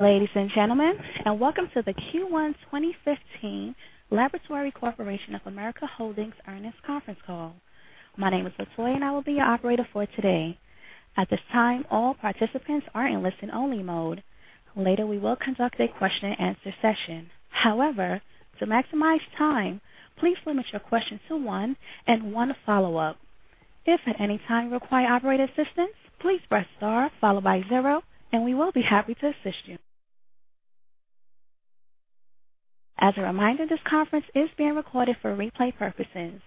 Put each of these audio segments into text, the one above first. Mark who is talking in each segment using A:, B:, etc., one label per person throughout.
A: Ladies and gentlemen, and welcome to the Q1 2015 Laboratory Corporation of America Holdings Earnings Conference Call. My name is Latoya, and I will be your operator for today. At this time, all participants are in listen-only mode. Later, we will conduct a question-and-answer session. However, to maximize time, please limit your questions to one and one follow-up. If at any time you require operator assistance, please press star followed by zero, and we will be happy to assist you. As a reminder, this conference is being recorded for replay purposes.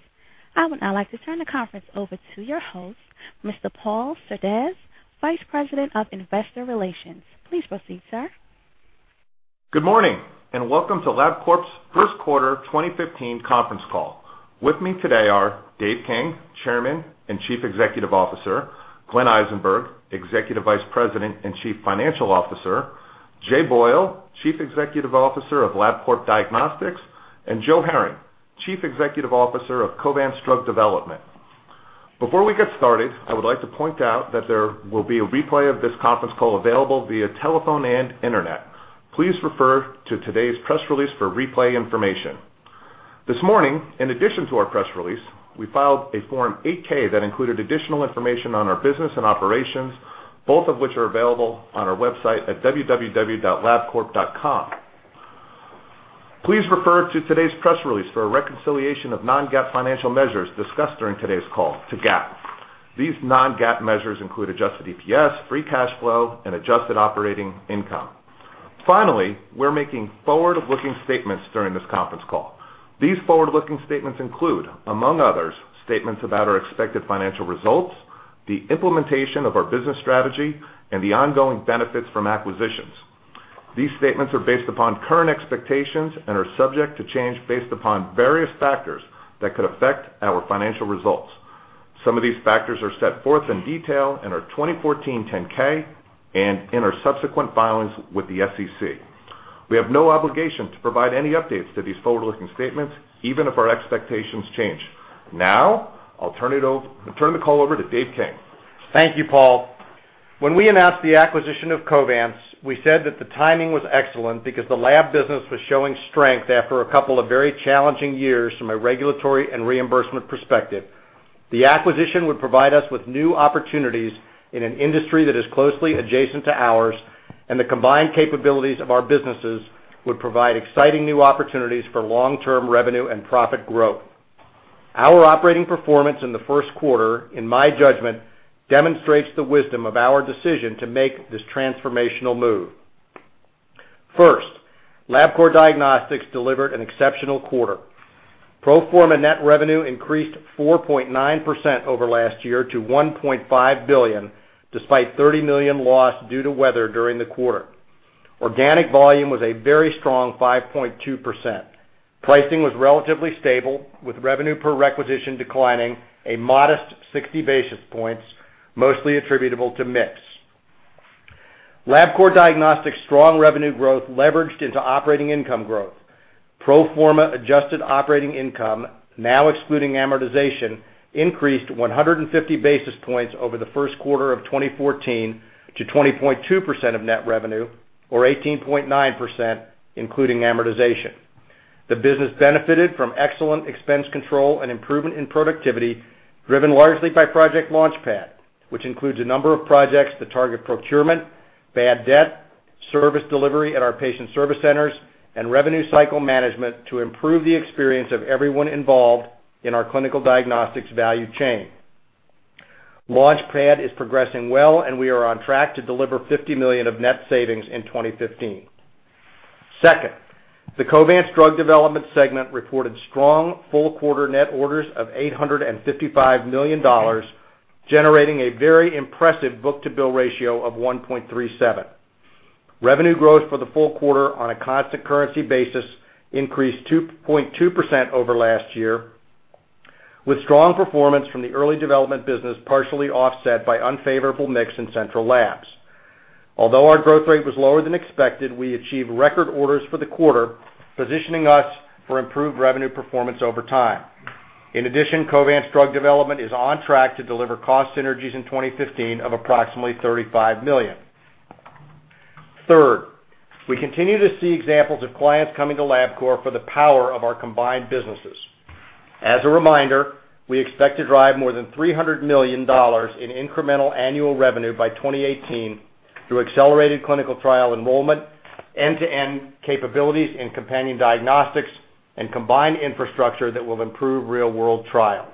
A: I would now like to turn the conference over to your host, Mr. Paul Cerdes, Vice President of Investor Relations. Please proceed, sir.
B: Good morning, and welcome to Labcorp's First Quarter 2015 Conference Call. With me today are Dave King, Chairman and Chief Executive Officer; Glenn Eisenberg, Executive Vice President and Chief Financial Officer; Jay Boyle, Chief Executive Officer, of Labcorp Diagnostics; and Joe Herring, Chief Executive Officer, of Covance Drug Development. Before we get started, I would like to point out that there will be a replay of this conference call available via telephone and internet. Please refer to today's press release for replay information. This morning, in addition to our press release, we filed a Form 8K that included additional information on our business and operations, both of which are available on our website at www.labcorp.com. Please refer to today's press release for a reconciliation of non-GAAP financial measures, discussed during today's call to GAAP. These non-GAAP measures, include adjusted EPS, free cash flow, and adjusted operating income. Finally, we're making forward-looking statements during this conference call. These forward-looking statements include, among others, statements about our expected financial results, the implementation of our business strategy, and the ongoing benefits from acquisitions. These statements are based upon current expectations and are subject to change based upon various factors that could affect our financial results. Some of these factors are set forth in detail in our 2014 10-K, and in our subsequent filings with the SEC. We have no obligation to provide any updates to these forward-looking statements, even if our expectations change. Now, I'll turn the call over to Dave King.
C: Thank you, Paul. When we announced the acquisition of Covance, we said that the timing was excellent because the lab business was showing strength after a couple of very challenging years from a regulatory and reimbursement perspective. The acquisition would provide us with new opportunities in an industry that is closely adjacent to ours, and the combined capabilities of our businesses would provide exciting new opportunities for long-term revenue and profit growth. Our operating performance, in the first quarter, in my judgment, demonstrates the wisdom of our decision to make this transformational move. First, Labcorp Diagnostics, delivered an exceptional quarter. Pro forma net revenue, increased 4.9%, over last year to $1.5 billion, despite $30 million, lost, due to weather during the quarter. Organic volume, was a very strong 5.2%. Pricing, was relatively stable, with revenue per requisition, declining a modest 60 basis points, mostly attributable to mix. Labcorp Diagnostics' strong revenue growth leveraged, into operating income growth. Pro forma adjusted operating income, now excluding amortization, increased 150 basis points, over the first quarter of 2014, to 20.2%, of net revenue, or 18.9%, including amortization. The business benefited from excellent expense control and improvement in productivity, driven largely by Project LaunchPad, which includes a number of projects that target procurement, bad debt, service delivery at our patient service centers, and revenue cycle management, to improve the experience of everyone involved in our clinical diagnostics value chain. LaunchPad, is progressing well, and we are on track to deliver $50 million, of net savings, in 2015. Second, the Covance Drug Development segment, reported strong full quarter, net orders, of $855 million, generating a very impressive book-to-bill ratio, of 1.37. Revenue growth, for the full quarter on a constant currency basis, increased 2.2%, over last year, with strong performance from the early development business partially offset by unfavorable mix in central labs. Although our growth rate was lower than expected, we achieved record orders for the quarter, positioning us for improved revenue performance, over time. In addition, Covance Drug Development, is on track to deliver cost synergies, in 2015, of approximately $35 million. Third, we continue to see examples of clients coming to Labcorp, for the power of our combined businesses. As a reminder, we expect to drive more than $300 million, in incremental annual revenue, by 2018, through accelerated clinical trial enrollment, end-to-end capabilities in companion diagnostics, and combined infrastructure that will improve real-world trials.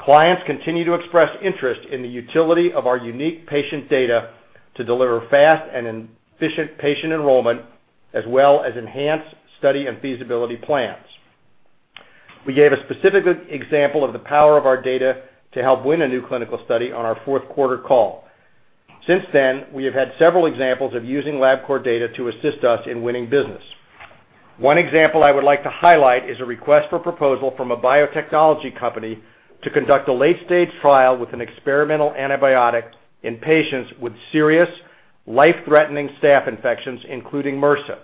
C: Clients continue to express interest in the utility of our unique patient data to deliver fast and efficient patient enrollment, as well as enhanced study and feasibility plans. We gave a specific example of the power of our data to help win a new clinical study on our fourth quarter call. Since then, we have had several examples of using Labcorp data, to assist us in winning business. One example I would like to highlight is a request for proposal from a biotechnology company, to conduct a late-stage trial with an experimental antibiotic, in patients with serious, life-threatening staph infections, including MRSA.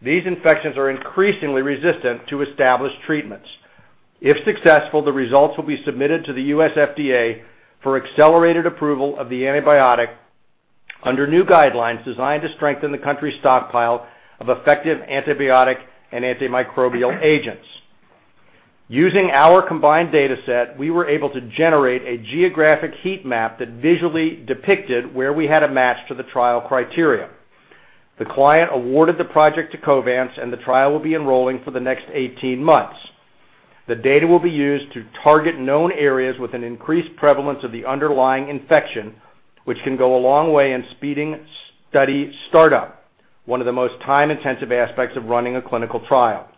C: These infections are increasingly resistant to established treatments. If successful, the results will be submitted to the U.S. FDA ,for accelerated approval, of the antibiotic under new guidelines designed to strengthen the country's stockpile of effective antibiotic and antimicrobial agents. Using our combined data set, we were able to generate a geographic heat map that visually depicted where we had a match to the trial criteria. The client awarded the project to Covance, and the trial will be enrolling for the next 18 months. The data will be used to target known areas with an increased prevalence of the underlying infection, which can go a long way in speeding study startup, one of the most time-intensive aspects of running a clinical trial.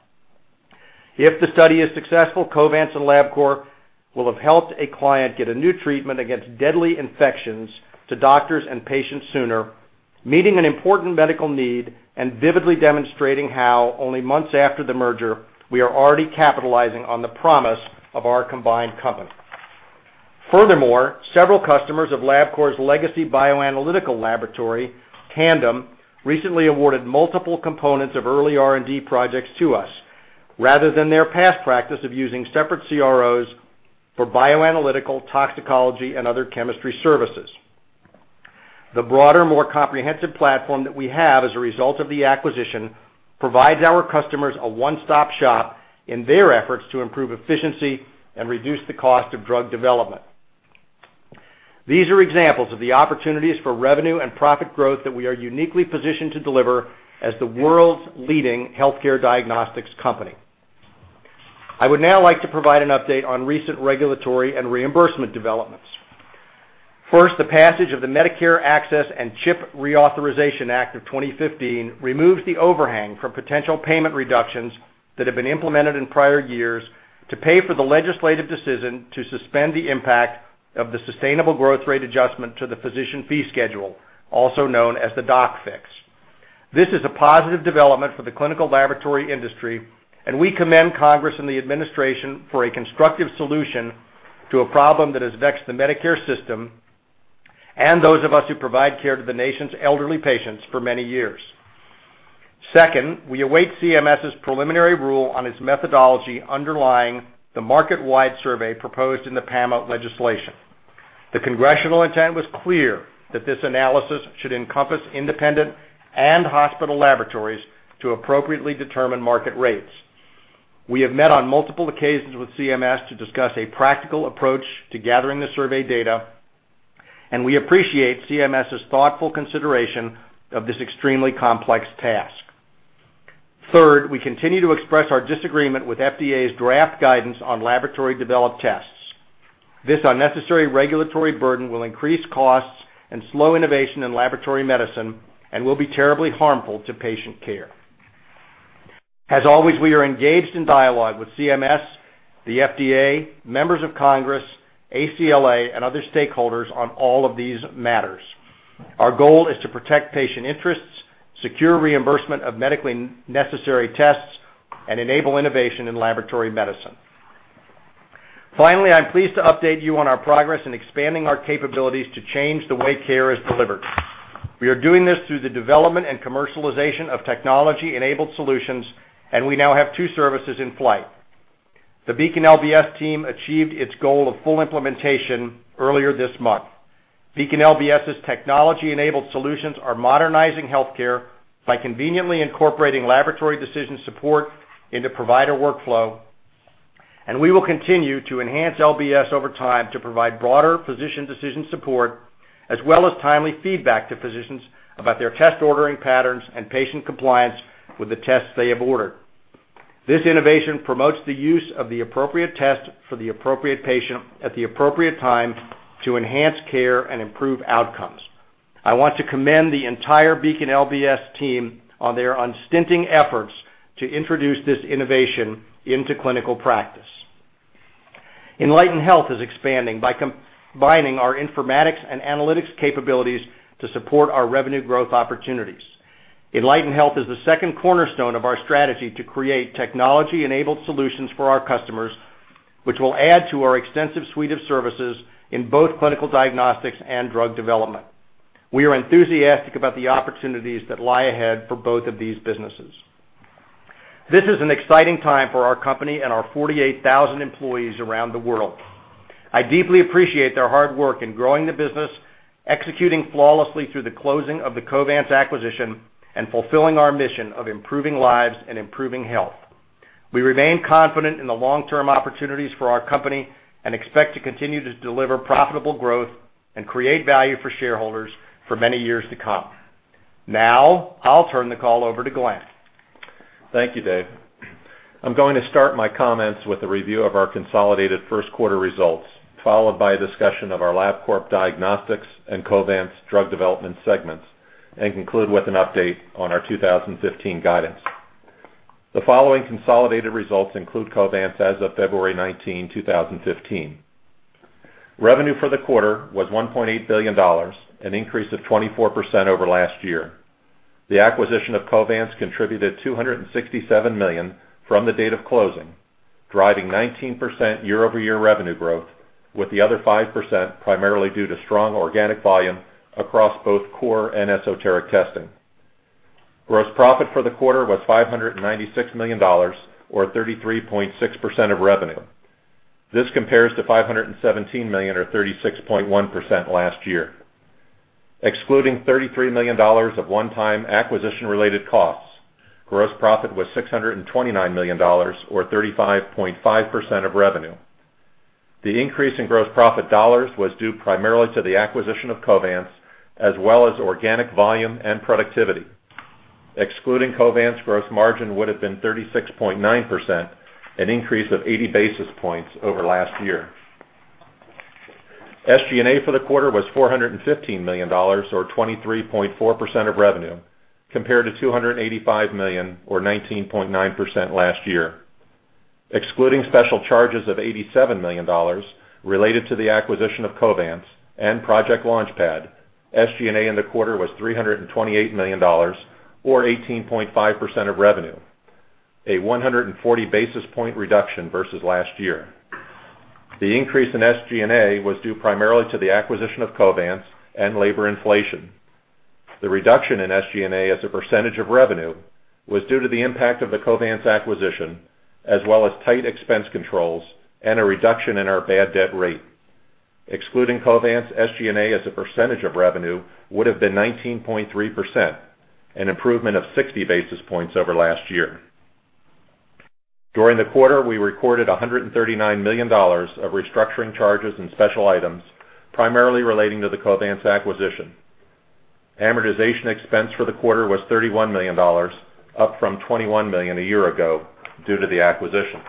C: If the study is successful, Covance and Labcorp, will have helped a client get a new treatment against deadly infections to doctors and patients sooner, meeting an important medical need and vividly demonstrating how, only months after the merger, we are already capitalizing on the promise of our combined company. Furthermore, several customers of Labcorp's, legacy bioanalytical laboratory, Tandem, recently awarded multiple components of early R&D projects to us, rather than their past practice of using separate CROs, for bioanalytical, toxicology, and other chemistry services. The broader, more comprehensive platform that we have as a result of the acquisition provides our customers a one-stop shop in their efforts to improve efficiency and reduce the cost, of drug development. These are examples of the opportunities for revenue and profit growth, that we are uniquely positioned to deliver as the world's leading healthcare diagnostics company. I would now like to provide an update on recent regulatory and reimbursement developments. First, the passage of the Medicare Access and CHIP Reauthorization Act of 2015 removes, the overhang for potential payment reductions that have been implemented in prior years to pay for the legislative decision to suspend the impact of the sustainable growth rate adjustment to the physician fee schedule, also known as the DOC fix. This is a positive development for the clinical laboratory industry, and we commend Congress and the administration, for a constructive solution to a problem that has vexed the Medicare system, and those of us who provide care to the nation's elderly patients for many years. Second, we await CMS's preliminary rule, on its methodology underlying the market-wide survey proposed in the PAMA legislation. The congressional intent, was clear that this analysis should encompass independent and hospital laboratories to appropriately determine market rates. We have met on multiple occasions with CMS, to discuss a practical approach to gathering the survey data, and we appreciate CMS's, thoughtful consideration of this extremely complex task. Third, we continue to express our disagreement with FDA's draft guidance, on laboratory-developed tests. This unnecessary regulatory burden will increase costs and slow innovation in laboratory medicine and will be terribly harmful to patient care. As always, we are engaged in dialogue with CMS, the FDA, members of Congress, ACLA, and other stakeholders on all of these matters. Our goal is to protect patient interests, secure reimbursement of medically necessary tests, and enable innovation in laboratory medicine. Finally, I'm pleased to update you on our progress in expanding our capabilities to change the way care is delivered. We are doing this through the development and commercialization of technology-enabled solutions, and we now have two services in flight. The Beacon LBS team, achieved its goal of full implementation earlier this month. Beacon LBS's technology-enabled solutions, are modernizing healthcare by conveniently incorporating laboratory decision support into provider workflow, and we will continue to enhance LBS, over time to provide broader physician decision support, as well as timely feedback to physicians about their test ordering patterns and patient compliance with the tests they have ordered. This innovation, promotes the use of the appropriate test for the appropriate patient at the appropriate time to enhance care and improve outcomes. I want to commend the entire Beacon LBS team, on their unstinting efforts to introduce this innovation into clinical practice. Enlighten Health, is expanding by combining our informatics and analytics capabilities to support our revenue growth opportunities. Enlighten Health, is the second cornerstone of our strategy, to create technology-enabled solutions for our customers, which will add to our extensive suite of services in both clinical diagnostics and drug development. We are enthusiastic about the opportunities that lie ahead for both of these businesses. This is an exciting time for our company and our 48,000 employees around the world. I deeply appreciate their hard work in growing the business, executing flawlessly through the closing of the Covance acquisition, and fulfilling our mission of improving lives and improving health. We remain confident in the long-term opportunities for our company and expect to continue to deliver profitable growth and create value for shareholders for many years to come. Now, I'll turn the call over to Glenn.
D: Thank you, Dave. I'm going to start my comments with a review of our consolidated first quarter results, followed by a discussion of our Labcorp Diagnostics and Covance drug development segments, and conclude with an update on our 2015 guidance. The following consolidated results include Covance, as of February 19, 2015. Revenue, for the quarter, was $1.8 billion, an increase of 24%, over last year. The acquisition of Covance, contributed $267 million, from the date of closing, driving 19%, year-over-year revenue growth, with the other 5%, primarily due to strong organic volume across both core and esoteric testing. Gross profit, for the quarter was $596 million, or 33.6%, of revenue. This compares to $517 million, or 36.1%, last year. Excluding $33 million, of one-time acquisition-related costs, gross profit, was $629 million, or 35.5%, of revenue. The increase in gross profit dollars, was due primarily to the acquisition of Covance, as well as organic volume and productivity. Excluding Covance, gross margin, would have been 36.9%, an increase of 80 basis points, over last year. SG&A, for the quarter was $415 million, or 23.4%, of revenue, compared to $285 million, or 19.9%, last year. Excluding special charges, of $87 million, related to the acquisition of Covance and Project LaunchPad, SG&A, in the quarter, was $328 million, or 18.5%, of revenue, a 140 basis point reduction versus last year. The increase in SG&A, was due primarily to the acquisition of Covance and labor inflation. The reduction in SG&A, as a percentage of revenue, was due to the impact of the Covance acquisition, as well as tight expense controls and a reduction in our bad debt rate. Excluding Covance, SG&A, as a percentage of revenue, would have been 19.3%, an improvement of 60 basis points over last year. During the quarter, we recorded $139 million, of restructuring charges and special items, primarily relating to the Covance acquisition. Amortization expense, for the quarter was $31 million, up from $21 million a year ago due to the acquisition.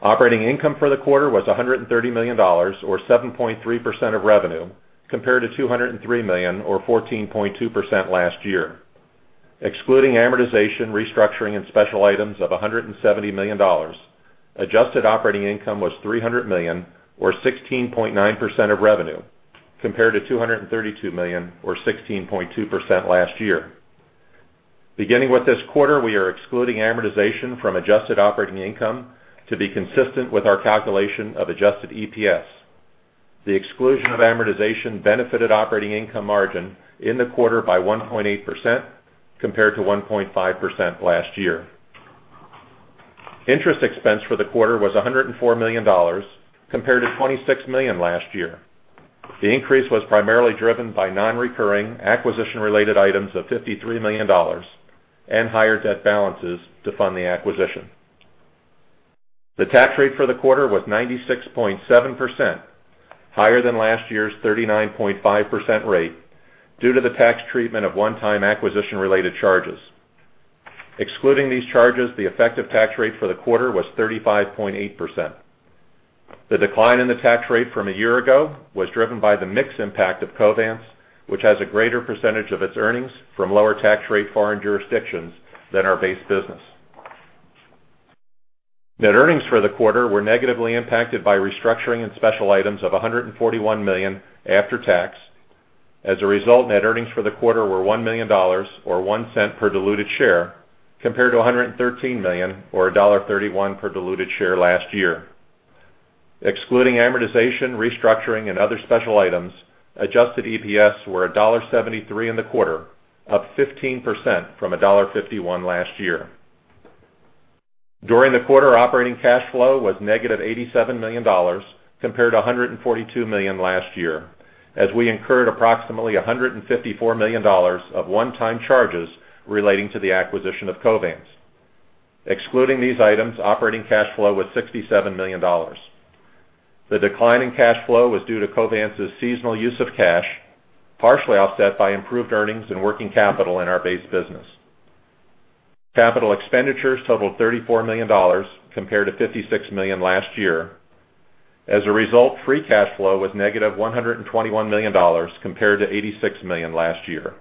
D: Operating income, for the quarter was $130 million, or 7.3% of revenue, compared to $203 million, or 14.2%, last year. Excluding amortization, restructuring, and special items of $170 million, adjusted operating income, was $300 million, or 16.9% of revenue, compared to $232 million, or 16.2% last year. Beginning with this quarter, we are excluding amortization from adjusted operating income, to be consistent with our calculation of adjusted EPS. The exclusion of amortization benefited operating income margin, in the quarter by 1.8%, compared to 1.5% last year. Interest expense, for the quarter was $104 million, compared to $26 million last year. The increase was primarily driven by non-recurring acquisition-related items of $53 million, and higher debt balances to fund the acquisition. The tax rate, for the quarter was 96.7%, higher than last year's 39.5% rate, due to the tax treatment of one-time acquisition-related charges. Excluding these charges, the effective tax rate, for the quarter was 35.8%. The decline in the tax rate from a year ago was driven by the mixed impact of Covance, which has a greater percentage of its earnings from lower tax rate foreign jurisdictions than our base business. Net earnings, for the quarter were negatively impacted by restructuring and special items of $141 million after tax. As a result, net earnings, for the quarter were $1 million, or 1 cent per diluted share, compared to $113 million, or $1.31 per diluted share last year. Excluding amortization, restructuring, and other special items, adjusted EPS, were $1.73, in the quarter, up 15%, from $1.51 last year. During the quarter, operating cash flow, was negative $87 million, compared to $142 million, last year, as we incurred approximately $154 million, of one-time charges relating to the acquisition of Covance. Excluding these items, operating cash flow was $67 million. The decline in cash flow, was due to Covance's, seasonal use of cash, partially offset by improved earnings and working capital, in our base business. Capital expenditures, totaled $34 million, compared to $56 million, last year. As a result, free cash flow was negative $121 million, compared to $86 million last year.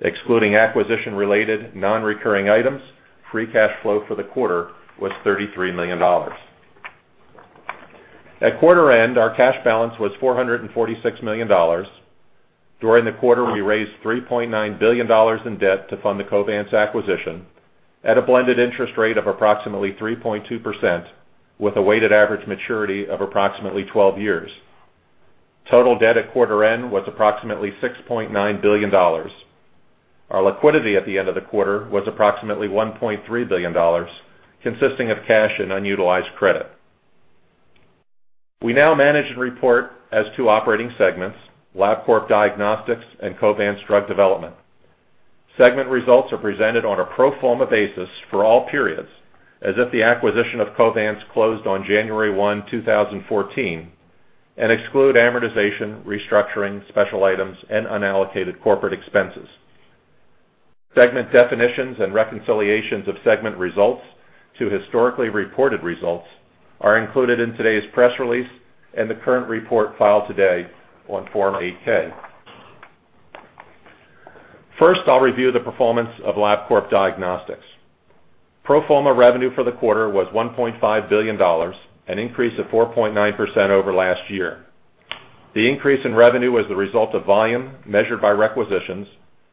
D: Excluding acquisition-related non-recurring items, free cash flow, for the quarter was $33 million. At quarter end, our cash balance, was $446 million. During the quarter, we raised $3.9 billion, in debt to fund the Covance acquisition, at a blended interest rate of approximately 3.2%, with a weighted average maturity, of approximately 12 years. Total debt at quarter, end was approximately $6.9 billion. Our liquidity, at the end of the quarter was approximately $1.3 billion, consisting of cash and unutilized credit. We now manage and report as two operating segments, Labcorp Diagnostics and Covance Drug Development. Segment results, are presented on a pro forma basis for all periods, as if the acquisition of Covance, closed on January 1, 2014, and exclude amortization, restructuring, special items, and unallocated corporate expenses. Segment definitions and reconciliations of segment, results to historically reported results are included in today's press release and the current report filed today on Form 8K. First, I'll review the performance of Labcorp Diagnostics. Pro forma revenue for the quarter was $1.5 billion, an increase of 4.9%, over last year. The increase in revenue, was the result of volume measured by requisitions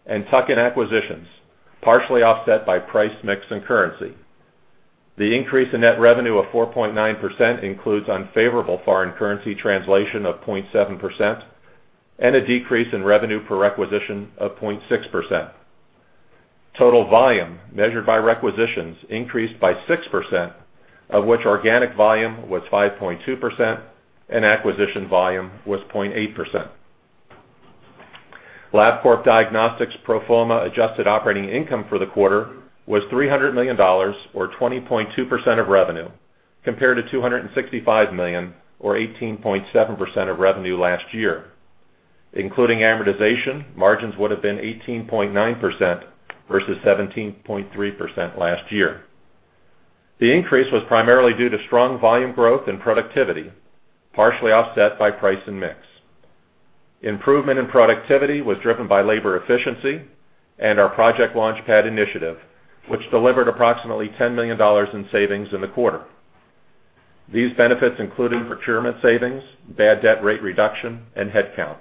D: and tuck-in acquisitions, partially offset by price mix and currency. The increase in net revenue, of 4.9%, includes unfavorable foreign currency translation of 0.7%, and a decrease in revenue per requisition, of 0.6%. Total volume, measured by requisitions increased by 6%, of which organic volume was 5.2% and acquisition volume was 0.8%. Labcorp Diagnostics, pro forma adjusted operating income for the quarter was $300 million, or 20.2% of revenue, compared to $265 million, or 18.7%, of revenue, last year. Including amortization, margins would have been 18.9% versus 17.3% last year. The increase was primarily due to strong volume growth and productivity, partially offset by price and mix. Improvement in productivity, was driven by labor efficiency and our Project LaunchPad initiative, which delivered approximately $10 million, in savings, in the quarter. These benefits included procurement savings, bad debt rate reduction, and headcount.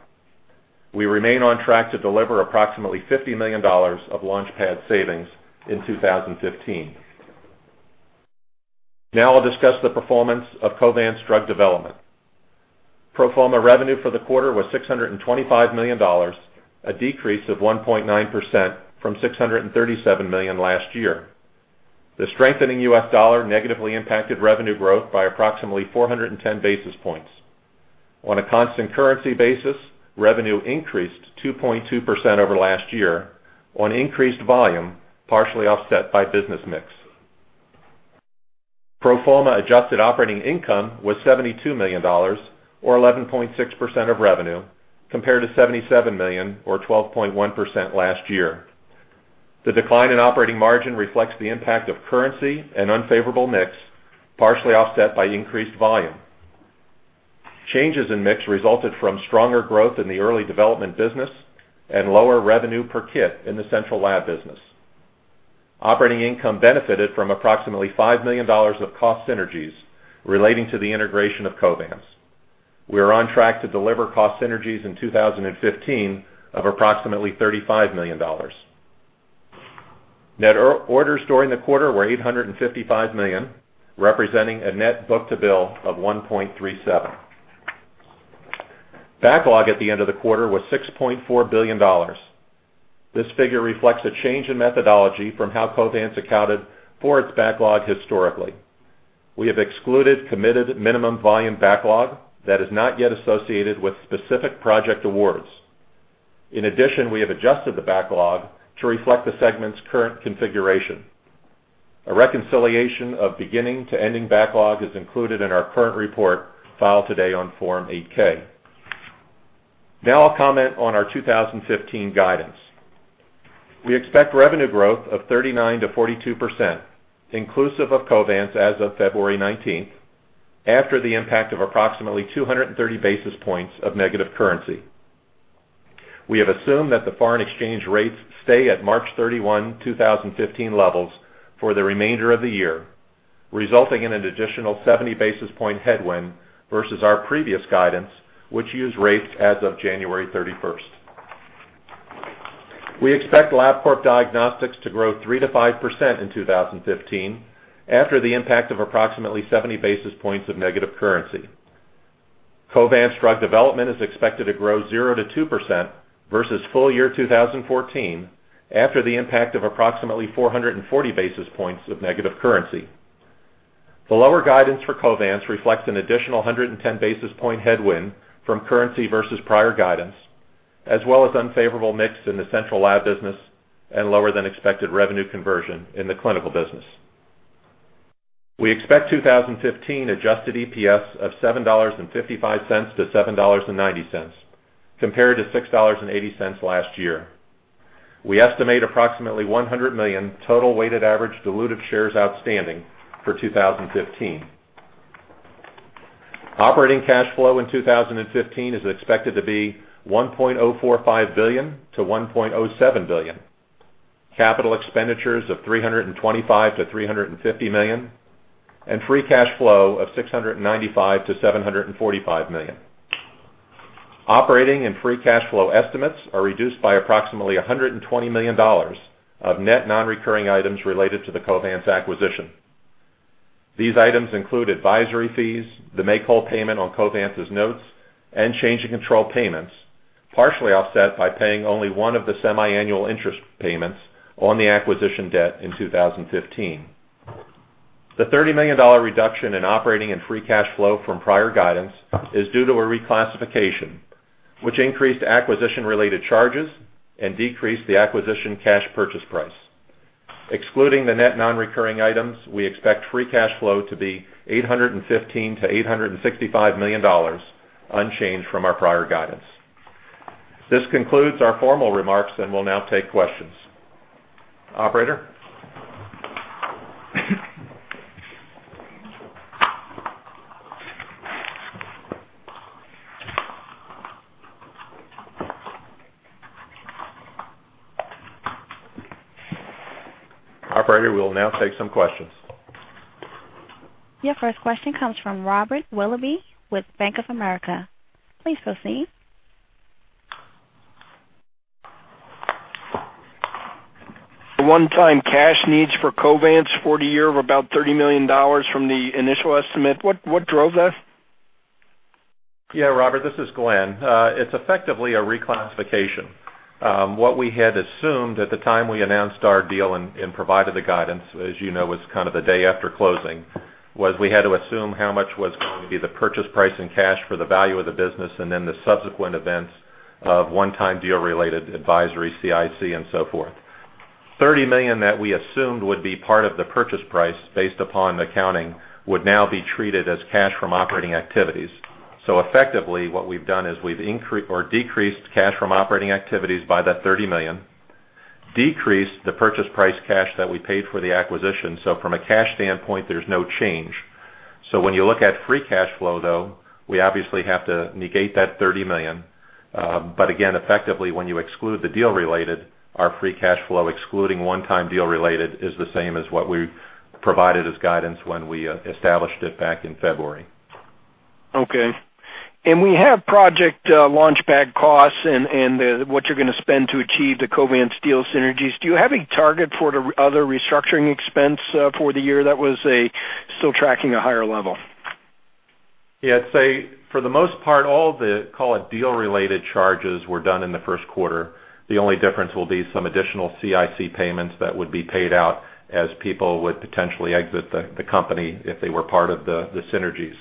D: We remain on track to deliver approximately $50 million, of LaunchPad savings, in 2015. Now I'll discuss the performance of Covance Drug Development. Pro forma revenue, for the quarter was $625 million, a decrease of 1.9%, from $637 million, last year. The strengthening U.S. dollar negatively impacted revenue growth, by approximately 410 basis points. On a constant currency basis, revenue, increased 2.2%, over last year on increased volume, partially offset by business mix. Pro forma adjusted operating income was $72 million, or 11.6%, of revenue, compared to $77 million, or 12.1% last year. The decline in operating margin, reflects the impact of currency and unfavorable mix, partially offset by increased volume. Changes in mix, resulted from stronger growth in the early development business and lower revenue per kit, in the central lab business. Operating income, benefited from approximately $5 million, of cost synergies, relating to the integration of Covance. We are on track to deliver cost synergies, in 2015, of approximately $35 million. Net orders, during the quarter were $855 million, representing a net book-to-bill of 1.37. Backlog at the end of the quarter, was $6.4 billion. This figure reflects a change in methodology from how Covance, accounted for its backlog historically. We have excluded committed minimum volume backlog, that is not yet associated with specific project awards. In addition, we have adjusted the backlog to reflect the segment's current configuration. A reconciliation of beginning to ending backlog, is included in our current report filed today on Form 8K. Now I'll comment on our 2015 guidance. We expect revenue growth, of 39-42%, inclusive of Covance, as of February 19, after the impact of approximately 230 basis points, of negative currency. We have assumed that the foreign exchange rates, stay at March 31, 2015 levels for the remainder of the year, resulting in an additional 70 basis point, headwind versus our previous guidance, which used rates as of January 31. We expect Labcorp Diagnostics, to grow 3-5%, in 2015 after the impact of approximately 70 basis points, of negative currency. Covance Drug Development, is expected to grow 0-2% versus, full year 2014 after the impact of approximately 440 basis points, of negative currency. The lower guidance for Covance, reflects an additional 110 basis point, headwind from currency versus prior guidance, as well as unfavorable mix in the central lab business, and lower than expected revenue conversion in the clinical business. We expect 2015, adjusted EPS, of $7.55-$7.90, compared to $6.80 last year. We estimate approximately 100 million, total weighted average diluted shares outstanding, for 2015. Operating cash flow, in 2015 is expected to be $1.045 billion-$1.07 billion, capital expenditures, of $325-$350 million, and free cash flow, of $695-$745 million. Operating and free cash flow estimates, are reduced by approximately $120 million, of net non-recurring items related to the Covance acquisition. These items include advisory fees, the make-hole payment on Covance's notes, and change and control payments, partially offset by paying only one of the semi-annual interest payments, on the acquisition debt in 2015. The $30 million reduction in operating and free cash flow, from prior guidance is due to a reclassification, which increased acquisition-related charges and decreased the acquisition cash purchase price. Excluding the net non-recurring items, we expect free cash flow to be $815-$865 million, unchanged from our prior guidance. This concludes our formal remarks and will now take questions. Operator. Operator, we'll now take some questions. Yeah, first question comes from Robert Willoughby, with Bank of America. Please proceed.
E: One-time cash needs for Covance, for the year of about $30 million, from the initial estimate. What drove that?
D: Yeah, Robert, this is Glenn. It's effectively a reclassification. What we had assumed at the time we announced our deal and provided the guidance, as you know, was kind of the day after closing, was we had to assume how much was going to be the purchase price in cash for the value of the business and then the subsequent events of one-time deal-related advisory, CIC, and so forth. $30 million, that we assumed would be part of the purchase price, based upon accounting would now be treated as cash from operating activities. Effectively, what we've done is we've decreased cash from operating activities, by that $30 million, decreased the purchase price cash, that we paid for the acquisition. From a cash standpoint, there's no change. When you look at free cash flow, though, we obviously have to negate that $30 million. Again, effectively, when you exclude the deal-related, our free cash flow excluding one-time deal-related is the same as what we provided as guidance when we established it back in February.
E: Okay. We have Project LaunchPad costs, and what you're going to spend to achieve the Covance deal synergies. Do you have a target for the other restructuring expense for the year that was still tracking a higher level?
D: Yeah, I'd say for the most part, all the, call it, deal-related charges were done in the first quarter. The only difference will be some additional CIC payments, that would be paid out as people would potentially exit the company if they were part of the synergies.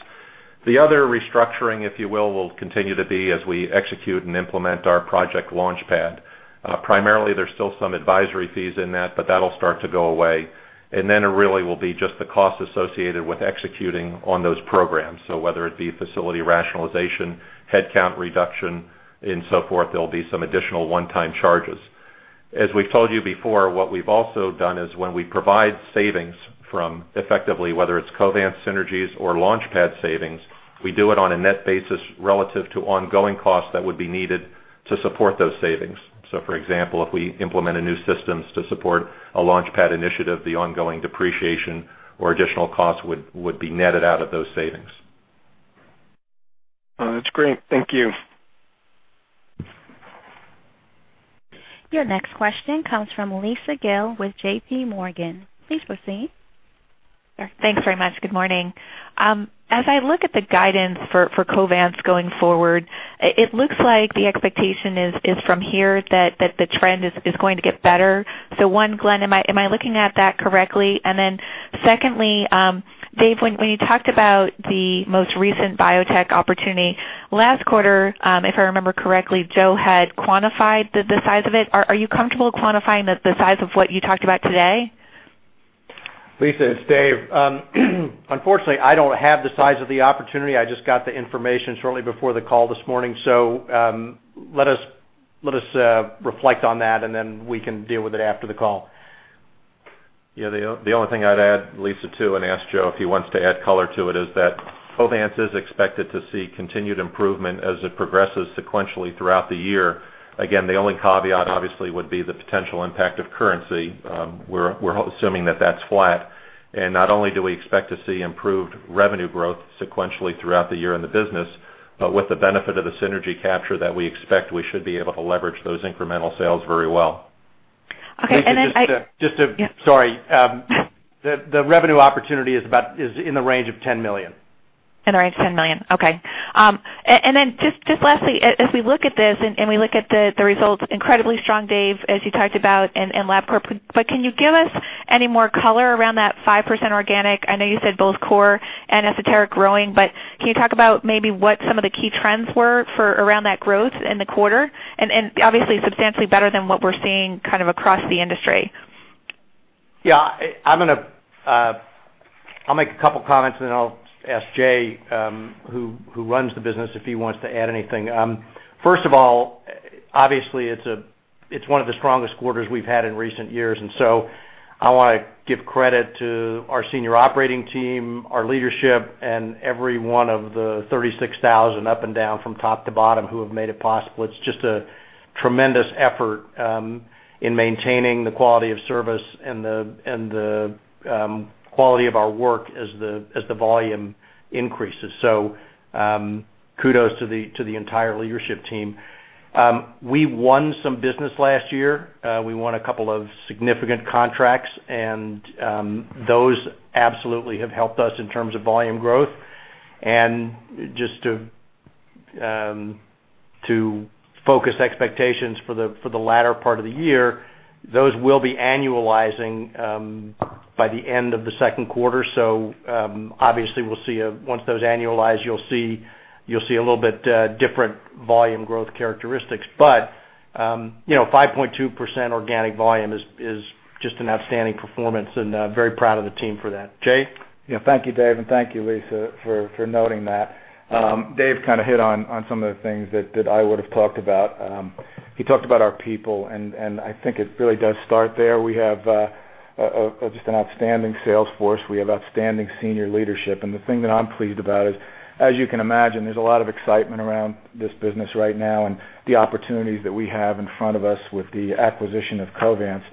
D: The other restructuring, if you will, will continue to be as we execute and implement our Project LaunchPad. Primarily, there's still some advisory fees, in that, but that'll start to go away. It really will be just the cost associated with executing on those programs. Whether it be facility rationalization, headcount reduction, and so forth, there will be some additional one-time charges. As we have told you before, what we have also done is when we provide savings from effectively, whether it is Covance synergies, or launchpad savings, we do it on a net basis, relative to ongoing costs that would be needed to support those savings. For example, if we implement a new system to support a launchpad initiative, the ongoing depreciation or additional costs, would be netted out of those savings.
E: That's great. Thank you.
A: Next question comes from Lisa Gill, with JP Morgan. Please proceed.
F: Thanks very much. Good morning. As I look at the guidance for Covance, going forward, it looks like the expectation is from here that the trend is going to get better. One, Glenn, am I looking at that correctly? Secondly, Dave, when you talked about the most recent biotech opportunity, last quarter, if I remember correctly, Joe, had quantified the size of it. Are you comfortable quantifying the size of what you talked about today?
C: Lisa, it's Dave. Unfortunately, I don't have the size of the opportunity. I just got the information shortly before the call this morning. Let us reflect on that, and then we can deal with it after the call.
D: The only thing I'd add, Lisa, too, and ask Joe, if he wants to add color to it, is that Covance, is expected to see continued improvement as it progresses sequentially throughout the year. Again, the only caveat, obviously, would be the potential impact of currency. We're assuming that that's flat. Not only do we expect to see improved revenue growth sequentially throughout the year in the business, but with the benefit of the synergy capture that we expect, we should be able to leverage those incremental sales very well.
C: Okay. I—just a—sorry. The revenue opportunity, is in the range of $10 million.
F: In the range of $10 million. Okay. Just lastly, as we look at this and we look at the results, incredibly strong, Dave, as you talked about and Labcorp, can you give us any more color around that 5% organic? I know you said both core and esoteric growing, but can you talk about maybe what some of the key trends were around that growth in the quarter? Obviously, substantially better than what we're seeing kind of across the industry.
C: Yeah, I'm going to—I'll make a couple of comments, and then I'll ask Jay, who runs the business, if he wants to add anything. First of all, obviously, it's one of the strongest quarters we've had in recent years. I want to give credit to our senior operating team, our leadership, and every one of the 36,000 up and down from top to bottom who have made it possible. It's just a tremendous effort in maintaining the quality of service and the quality of our work, as the volume increases. Kudos to the entire leadership team. We won some business last year. We won a couple of significant contracts, and those absolutely have helped us in terms of volume growth. Just to focus expectations for the latter part of the year, those will be annualizing by the end of the second quarter.
D: Obviously, once those annualize, you'll see a little bit different volume growth characteristics. But 5.2% organic volume, is just an outstanding performance, and I'm very proud of the team for that. Jay?
G: Yeah, thank you, Dave, and thank you, Lisa, for noting that. Dave, kind of hit on some of the things that I would have talked about. He talked about our people, and I think it really does start there. We have just an outstanding sales force. We have outstanding senior leadership. The thing that I'm pleased about is, as you can imagine, there's a lot of excitement around this business right now and the opportunities that we have in front of us with the acquisition of Covance.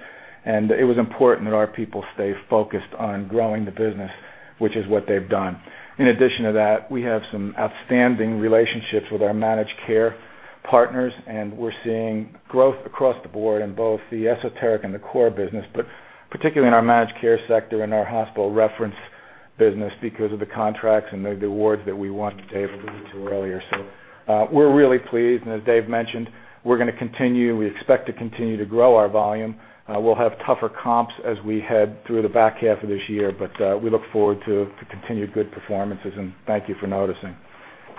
G: It was important that our people stay focused on growing the business, which is what they've done. In addition to that, we have some outstanding relationships with our managed care partners, and we're seeing growth across the board in both the esoteric and the core business, but particularly in our managed care sector and our hospital reference business because of the contracts and the awards that we won and Dave, alluded to earlier. So we're really pleased. And as Dave mentioned, we're going to continue—we expect to continue to grow our volume. We'll have tougher comps as we head through the back half of this year, but we look forward to continued good performances, and thank you for noticing.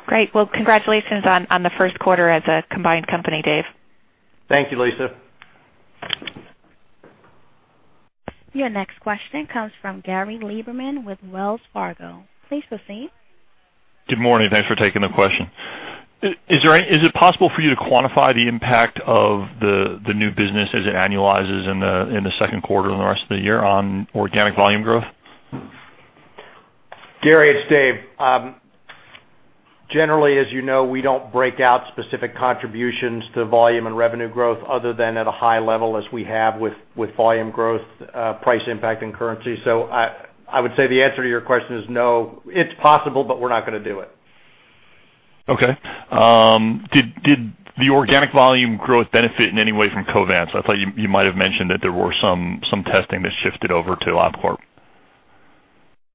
F: Great. Congratulations on the first quarter, as a combined company, Dave.
C: Thank you, Lisa.
A: Yeah, next question comes from Gary Lieberman, with Wells Fargo. Please proceed.
H: Good morning. Thanks for taking the question. Is it possible for you to quantify the impact of the new business as it annualizes in the second quarter, and the rest of the year on organic volume growth?
C: Gary, it's Dave. Generally, as you know, we don't break out specific contributions to volume and revenue growth, other than at a high level as we have with volume growth, price impact, and currency. I would say the answer to your question is no. It's possible, but we're not going to do it.
H: Okay. Did the organic volume growth, benefit in any way from Covance? I thought you might have mentioned that there were some testing that shifted over to Labcorp.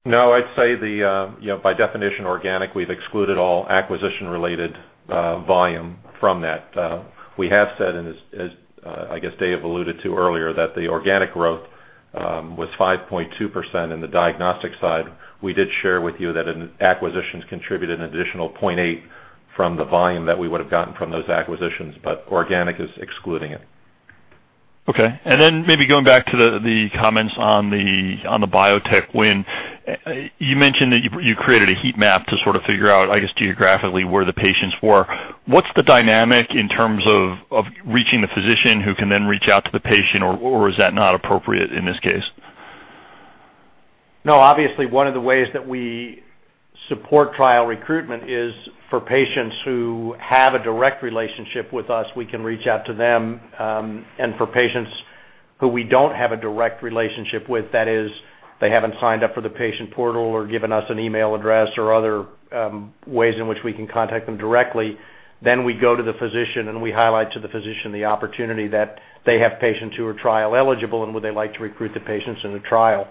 D: No, I'd say by definition, organic, we've excluded all acquisition-related volume from that. We have said, and as I guess Dave, alluded to earlier, that the organic growth was 5.2%, in the diagnostic side. We did share with you that acquisitions contributed an additional 0.8, from the volume that we would have gotten from those acquisitions, but organic is excluding it.
H: Okay. Then maybe going back to the comments on the biotech win, you mentioned that you created a heat map to sort of figure out, I guess, geographically where the patients were. What's the dynamic in terms of reaching the physician who can then reach out to the patient, or is that not appropriate in this case?
C: No, obviously, one of the ways that we support trial recruitment, is for patients who have a direct relationship with us, we can reach out to them. For patients who we do not have a direct relationship with, that is, they have not signed up for the patient portal or given us an email address or other ways in which we can contact them directly, we go to the physician and we highlight to the physician the opportunity that they have patients who are trial eligible and would they like to recruit the patients into trial.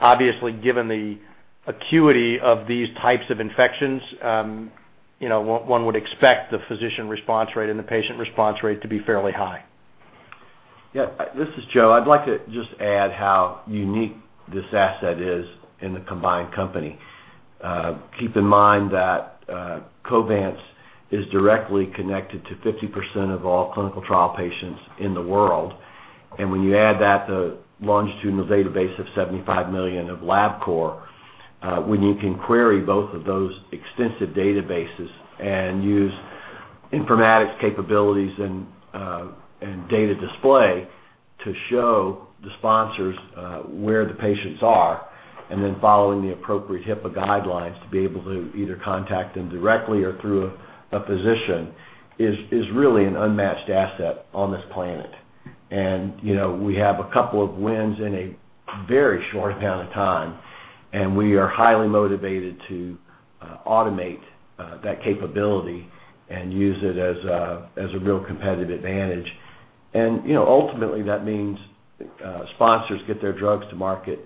C: Obviously, given the acuity of these types of infections, one would expect the physician response rate and the patient response rate to be fairly high.
I: Yeah, this is Joe. I would like to just add how unique this asset is in the combined company. Keep in mind that Covance, is directly connected to 50%, of all clinical trial patients in the world. When you add that, the longitudinal database, of 75 million, of Labcorp, when you can query both of those extensive databases, and use informatics capabilities and data display, to show the sponsors where the patients are, and then following the appropriate HIPAA guidelines, to be able to either contact them directly or through a physician, is really an unmatched asset on this planet. We have a couple of wins in a very short amount of time, and we are highly motivated to automate that capability and use it as a real competitive advantage. Ultimately, that means sponsors get their drugs to market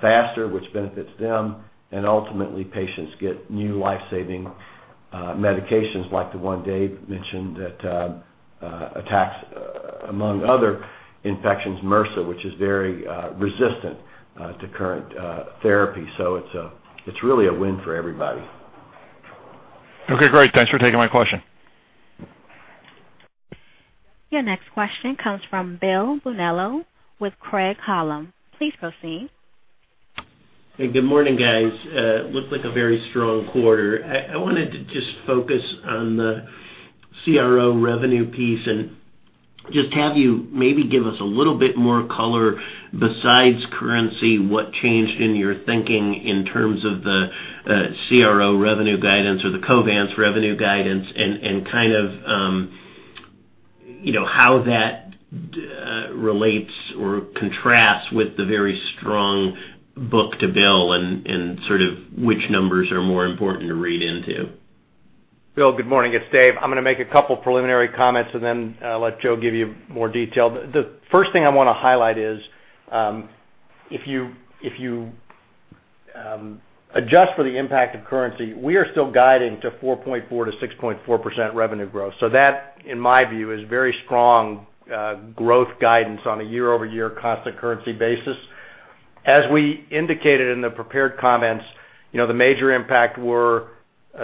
I: faster, which benefits them, and ultimately, patients get new lifesaving medications like the one Dave, mentioned that attacks, among other infections, MRSA, which is very resistant to current therapy. It is really a win for everybody.
H: Okay, great. Thanks for taking my question.
A: Yeah, next question comes from Bill Bonello, with Craig-Hallum. Please proceed.
J: Hey, good morning, guys. Looks like a very strong quarter. I wanted to just focus on the CRO revenue, piece and just have you maybe give us a little bit more color besides currency, what changed in your thinking in terms of the CRO revenue guidance, or the Covance revenue guidance, and kind of how that relates or contrasts with the very strong book-to-bill and sort of which numbers are more important to read into.
C: Bill, good morning. It's Dave. I'm going to make a couple of preliminary comments, and then let Joe, give you more detail. The first thing I want to highlight is if you adjust for the impact of currency, we are still guiding to 4.4-6.4% revenue growth. That, in my view, is very strong growth guidance on a year-over-year, constant currency basis. As we indicated in the prepared comments,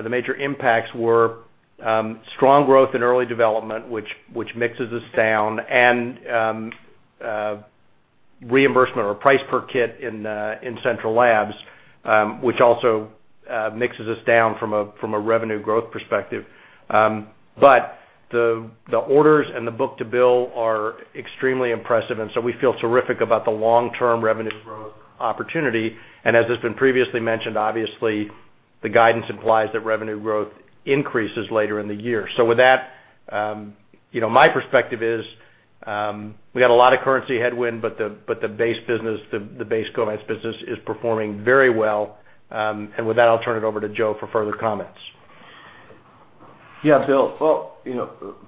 C: the major impacts were strong growth in early development, which mixes us down, and reimbursement or price per kit in Central Labs, which also mixes us down from a revenue growth perspective. The orders and the book-to-bill are extremely impressive, and we feel terrific about the long-term revenue growth opportunity. As has been previously mentioned, obviously, the guidance implies that revenue growth, increases later in the year. With that, my perspective is we have a lot of currency headwind, but the base business, the base Covance business, is performing very well. With that, I'll turn it over to Joe for further comments.
I: Yeah, Bill.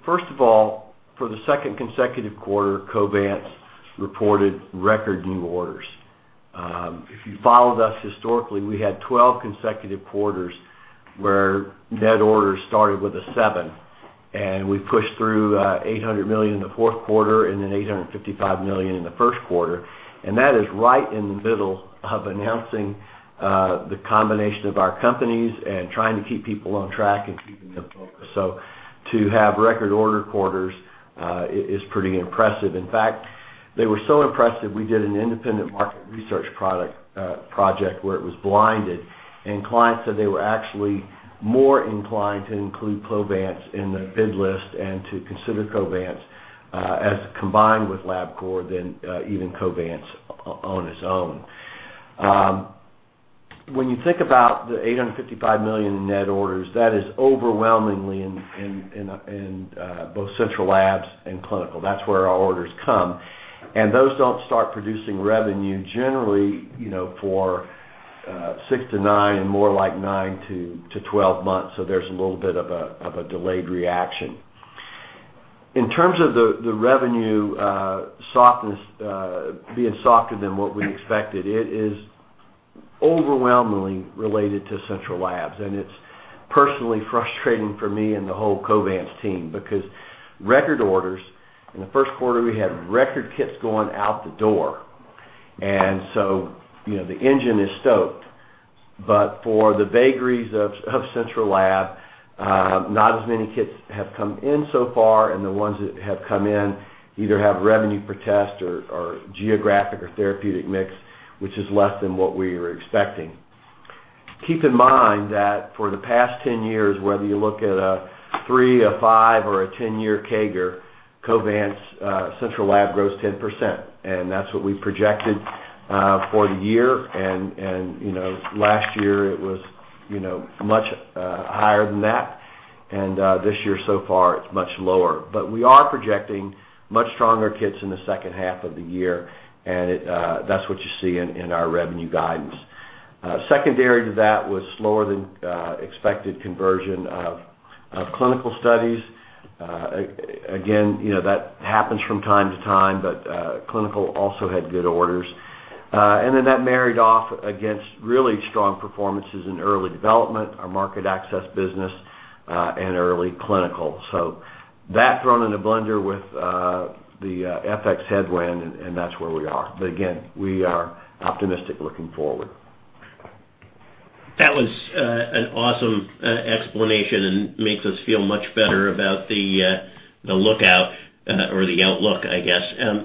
I: First of all, for the second consecutive quarter, Covance, reported record new orders. If you followed us historically, we had 12 consecutive quarters, where net orders started with a 7, and we pushed through $800 million, in the fourth quarter, and then $855 million, in the first quarter. That is right in the middle of announcing the combination of our companies and trying to keep people on track and keeping them focused. To have record order quarters is pretty impressive. In fact, they were so impressive, we did an independent market research project where it was blinded, and clients said they were actually more inclined to include Covance in the bid list and to consider Covance, as combined with Labcorp, than even Covance, on its own. When you think about the $855 million, in net orders, that is overwhelmingly in both Central Labs and clinical. That is where our orders come. Those do not start producing revenue generally for six to nine and more like nine to twelve months. There is a little bit of a delayed reaction. In terms of the revenue, being softer than what we expected, it is overwhelmingly related to Central Labs. It is personally frustrating for me and the whole Covance team, because record orders, in the first quarter, we had record kits going out the door. The engine is stoked. For the vagaries of Central Lab, not as many kits have come in so far, and the ones that have come in either have revenue per test, or geographic or therapeutic mix, which is less than what we were expecting. Keep in mind that for the past ten years, whether you look at a three, a five, or a ten-year CAGR, Covance Central Lab, grows 10%. That is what we projected for the year. Last year, it was much higher than that. This year, so far, it is much lower. We are projecting much stronger kits, in the second half of the year, and that is what you see in our revenue guidance. Secondary, to that was slower than expected conversion of clinical studies. That happens from time to time, but clinical also had good orders. That married off against really strong performances in early development, our market access business, and early clinical. That thrown in a blender with the FX headwind, that is where we are. We are optimistic looking forward.
J: That was an awesome explanation and makes us feel much better about the outlook, I guess.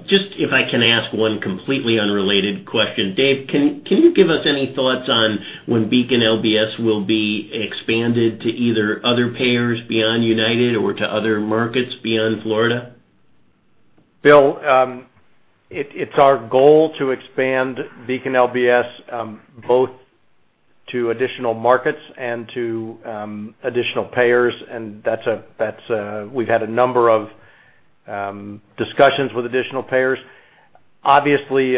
J: Just if I can ask one completely unrelated question, Dave, can you give us any thoughts on when Beacon LBS, will be expanded to either other payers beyond United or to other markets beyond Florida?
C: Bill, it's our goal to expand Beacon LBS, both to additional markets and to additional payers, and we've had a number of discussions with additional payers. Obviously,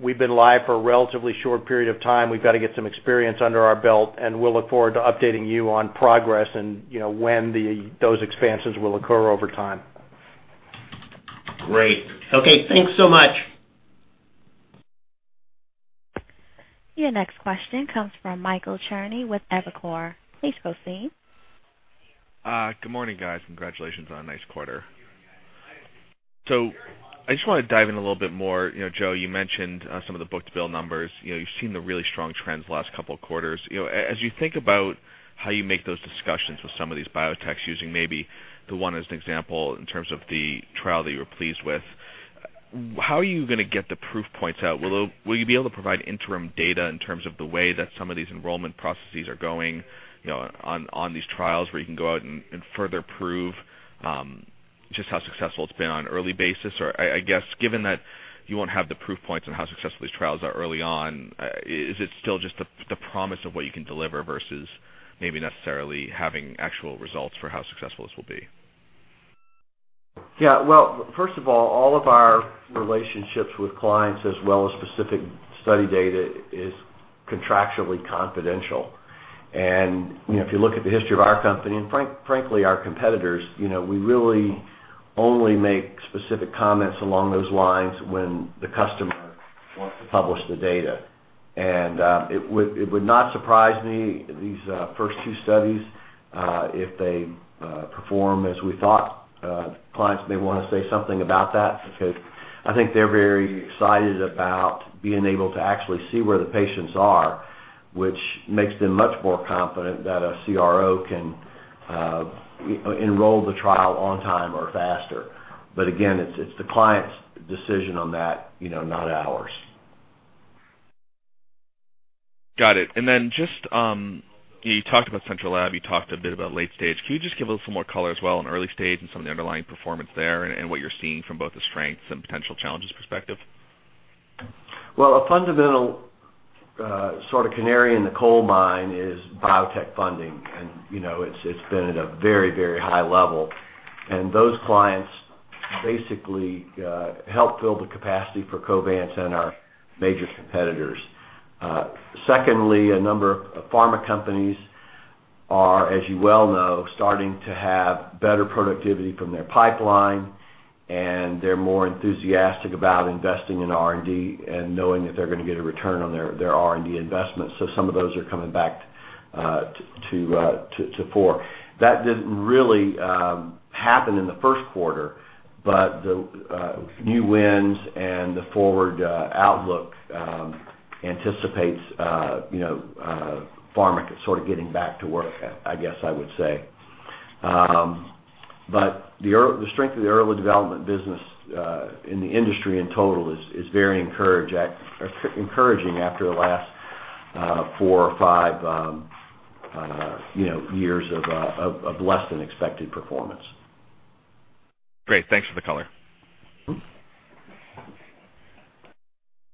C: we've been live for a relatively short period of time. We've got to get some experience under our belt, and we'll look forward to updating you on progress and when those expansions will occur over time.
J: Great. Okay, thanks so much.
A: Yeah, next question comes from Michael Cherny, with Evercore. Please proceed.
K: Good morning, guys. Congratulations on a nice quarter. I just want to dive in a little bit more. Joe, you mentioned some of the book-to-bill numbers. You've seen the really strong trends the last couple of quarters. As you think about how you make those discussions with some of these biotechs, using maybe the one as an example in terms of the trial that you were pleased with, how are you going to get the proof points out? Will you be able to provide interim data in terms of the way that some of these enrollment processes are going on these trials where you can go out and further prove just how successful it's been on an early basis? I guess, given that you won't have the proof points, on how successful these trials are early on, is it still just the promise of what you can deliver versus maybe necessarily having actual results for how successful this will be?
I: Yeah, first of all, all of our relationships with clients as well as specific study data is contractually confidential. If you look at the history of our company and, frankly, our competitors, we really only make specific comments along those lines when the customer wants to publish the data. It would not surprise me, these first two studies, if they perform as we thought. Clients may want to say something about that because I think they're very excited about being able to actually see where the patients are, which makes them much more confident that a CRO, can enroll the trial on time or faster. Again, it's the client's decision on that, not ours.
K: Got it. You talked about Central Lab. You talked a bit about late stage. Can you just give a little more color as well on early stage and some of the underlying performance there and what you're seeing from both the strengths and potential challenges perspective?
I: A fundamental sort of canary in the coal mine is biotech funding, and it's been at a very, very high level. Those clients basically help fill the capacity for Covance, and our major competitors. Secondly, a number of pharma companies are, as you well know, starting to have better productivity from their pipeline, and they're more enthusiastic about investing in R&D, and knowing that they're going to get a return on their R&D investment. Some of those are coming back to fore. That did not really happen in the first quarter, but the new wins and the forward outlook anticipate pharma sort of getting back to work, I guess I would say. The strength of the early development business in the industry in total is very encouraging after the last four or five years of less-than-expected performance.
K: Great. Thanks for the color.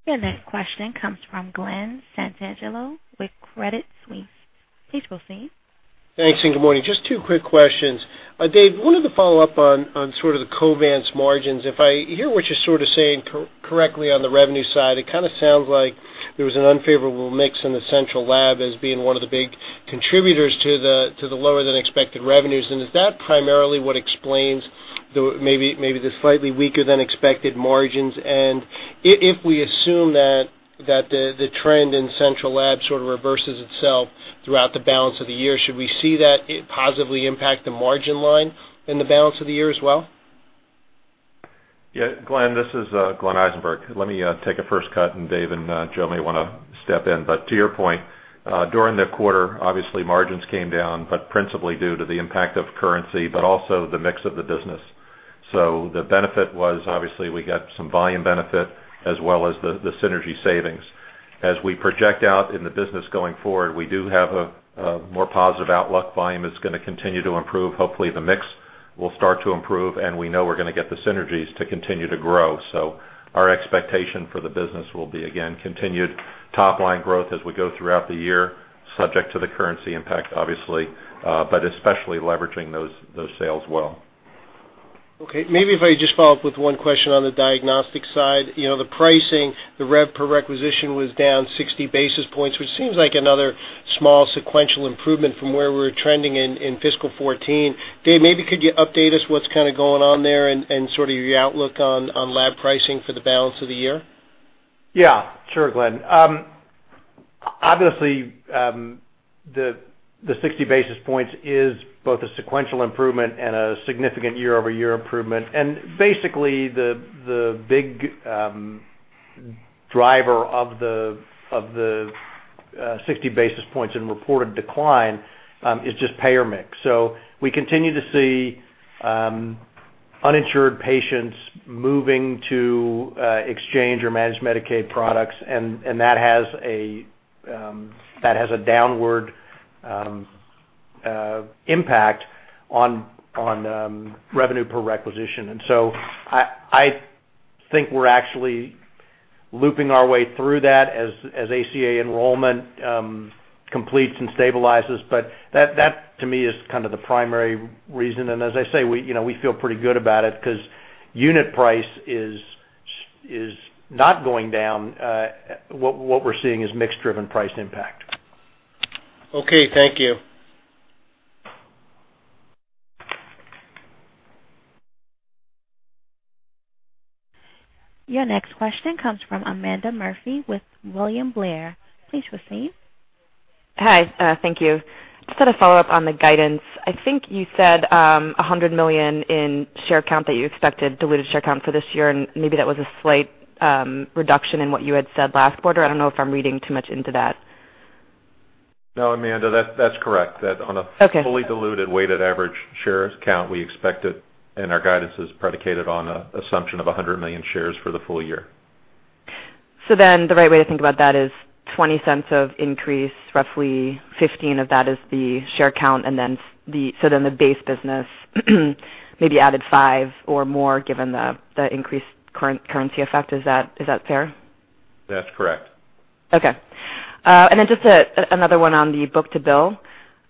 A: Yeah, next question comes from Glen Santangelo, with Credit Suisse. Please proceed.
L: Thanks. And good morning. Just two quick questions. Dave, I wanted to follow up on sort of the Covance margins. If I hear what you're sort of saying correctly on the revenue side, it kind of sounds like there was an unfavorable mix in the Central Lab, as being one of the big contributors to the lower-than-expected revenues. Is that primarily what explains maybe the slightly weaker-than-expected margins? If we assume that the trend in Central Lab, sort of reverses itself throughout the balance of the year, should we see that positively impact the margin line in the balance of the year as well?
D: Yeah, Glen, this is Glenn Eisenberg. Let me take a first cut, and Dave and Joe, may want to step in. To your point, during the quarter, obviously, margins came down, but principally due to the impact of currency, but also the mix of the business. The benefit was, obviously, we got some volume benefit as well as the synergy savings. As we project out in the business going forward, we do have a more positive outlook. Volume, is going to continue to improve. Hopefully, the mix will start to improve, and we know we're going to get the synergies to continue to grow. Our expectation for the business will be, again, continued top-line growth, as we go throughout the year, subject to the currency impact, obviously, but especially leveraging those sales well.
L: Okay. Maybe if I just follow up with one question on the diagnostic side. The pricing, the rev per requisition was down 60 basis points, which seems like another small sequential improvement from where we were trending in fiscal 2014. Dave, maybe could you update us what's kind of going on there and sort of your outlook on lab pricing, for the balance of the year?
C: Yeah. Sure, Glen. Obviously, the 60 basis points, is both a sequential improvement and a significant year-over-year improvement. Basically, the big driver of the 60 basis points, and reported decline is just payer mix. We continue to see uninsured patients moving to exchange or managed Medicaid products, and that has a downward impact on revenue per requisition. I think we're actually looping our way through that as ACA enrollment, completes and stabilizes. That, to me, is kind of the primary reason. As I say, we feel pretty good about it because unit price is not going down. What we're seeing is mixed-driven price impact.
L: Okay. Thank you.
A: Yeah, next question comes from Amanda Murphy, with William Blair. Please proceed.
M: Hi. Thank you. Just had a follow-up on the guidance. I think you said 100 million in share count, that you expected, diluted share count, for this year, and maybe that was a slight reduction in what you had said last quarter. I do not know if I'm reading too much into that.
D: No, Amanda, that's correct. On a fully diluted weighted average shares count, we expect it, and our guidance is predicated on an assumption of 100 million shares, for the full year.
M: Then the right way to think about that is $0.20 of increase, roughly $0.15, of that is the share count, and then the base business maybe added $0.05, or more given the increased currency effect. Is that fair?
D: That's correct.
M: Okay. Just another one on the book to bill.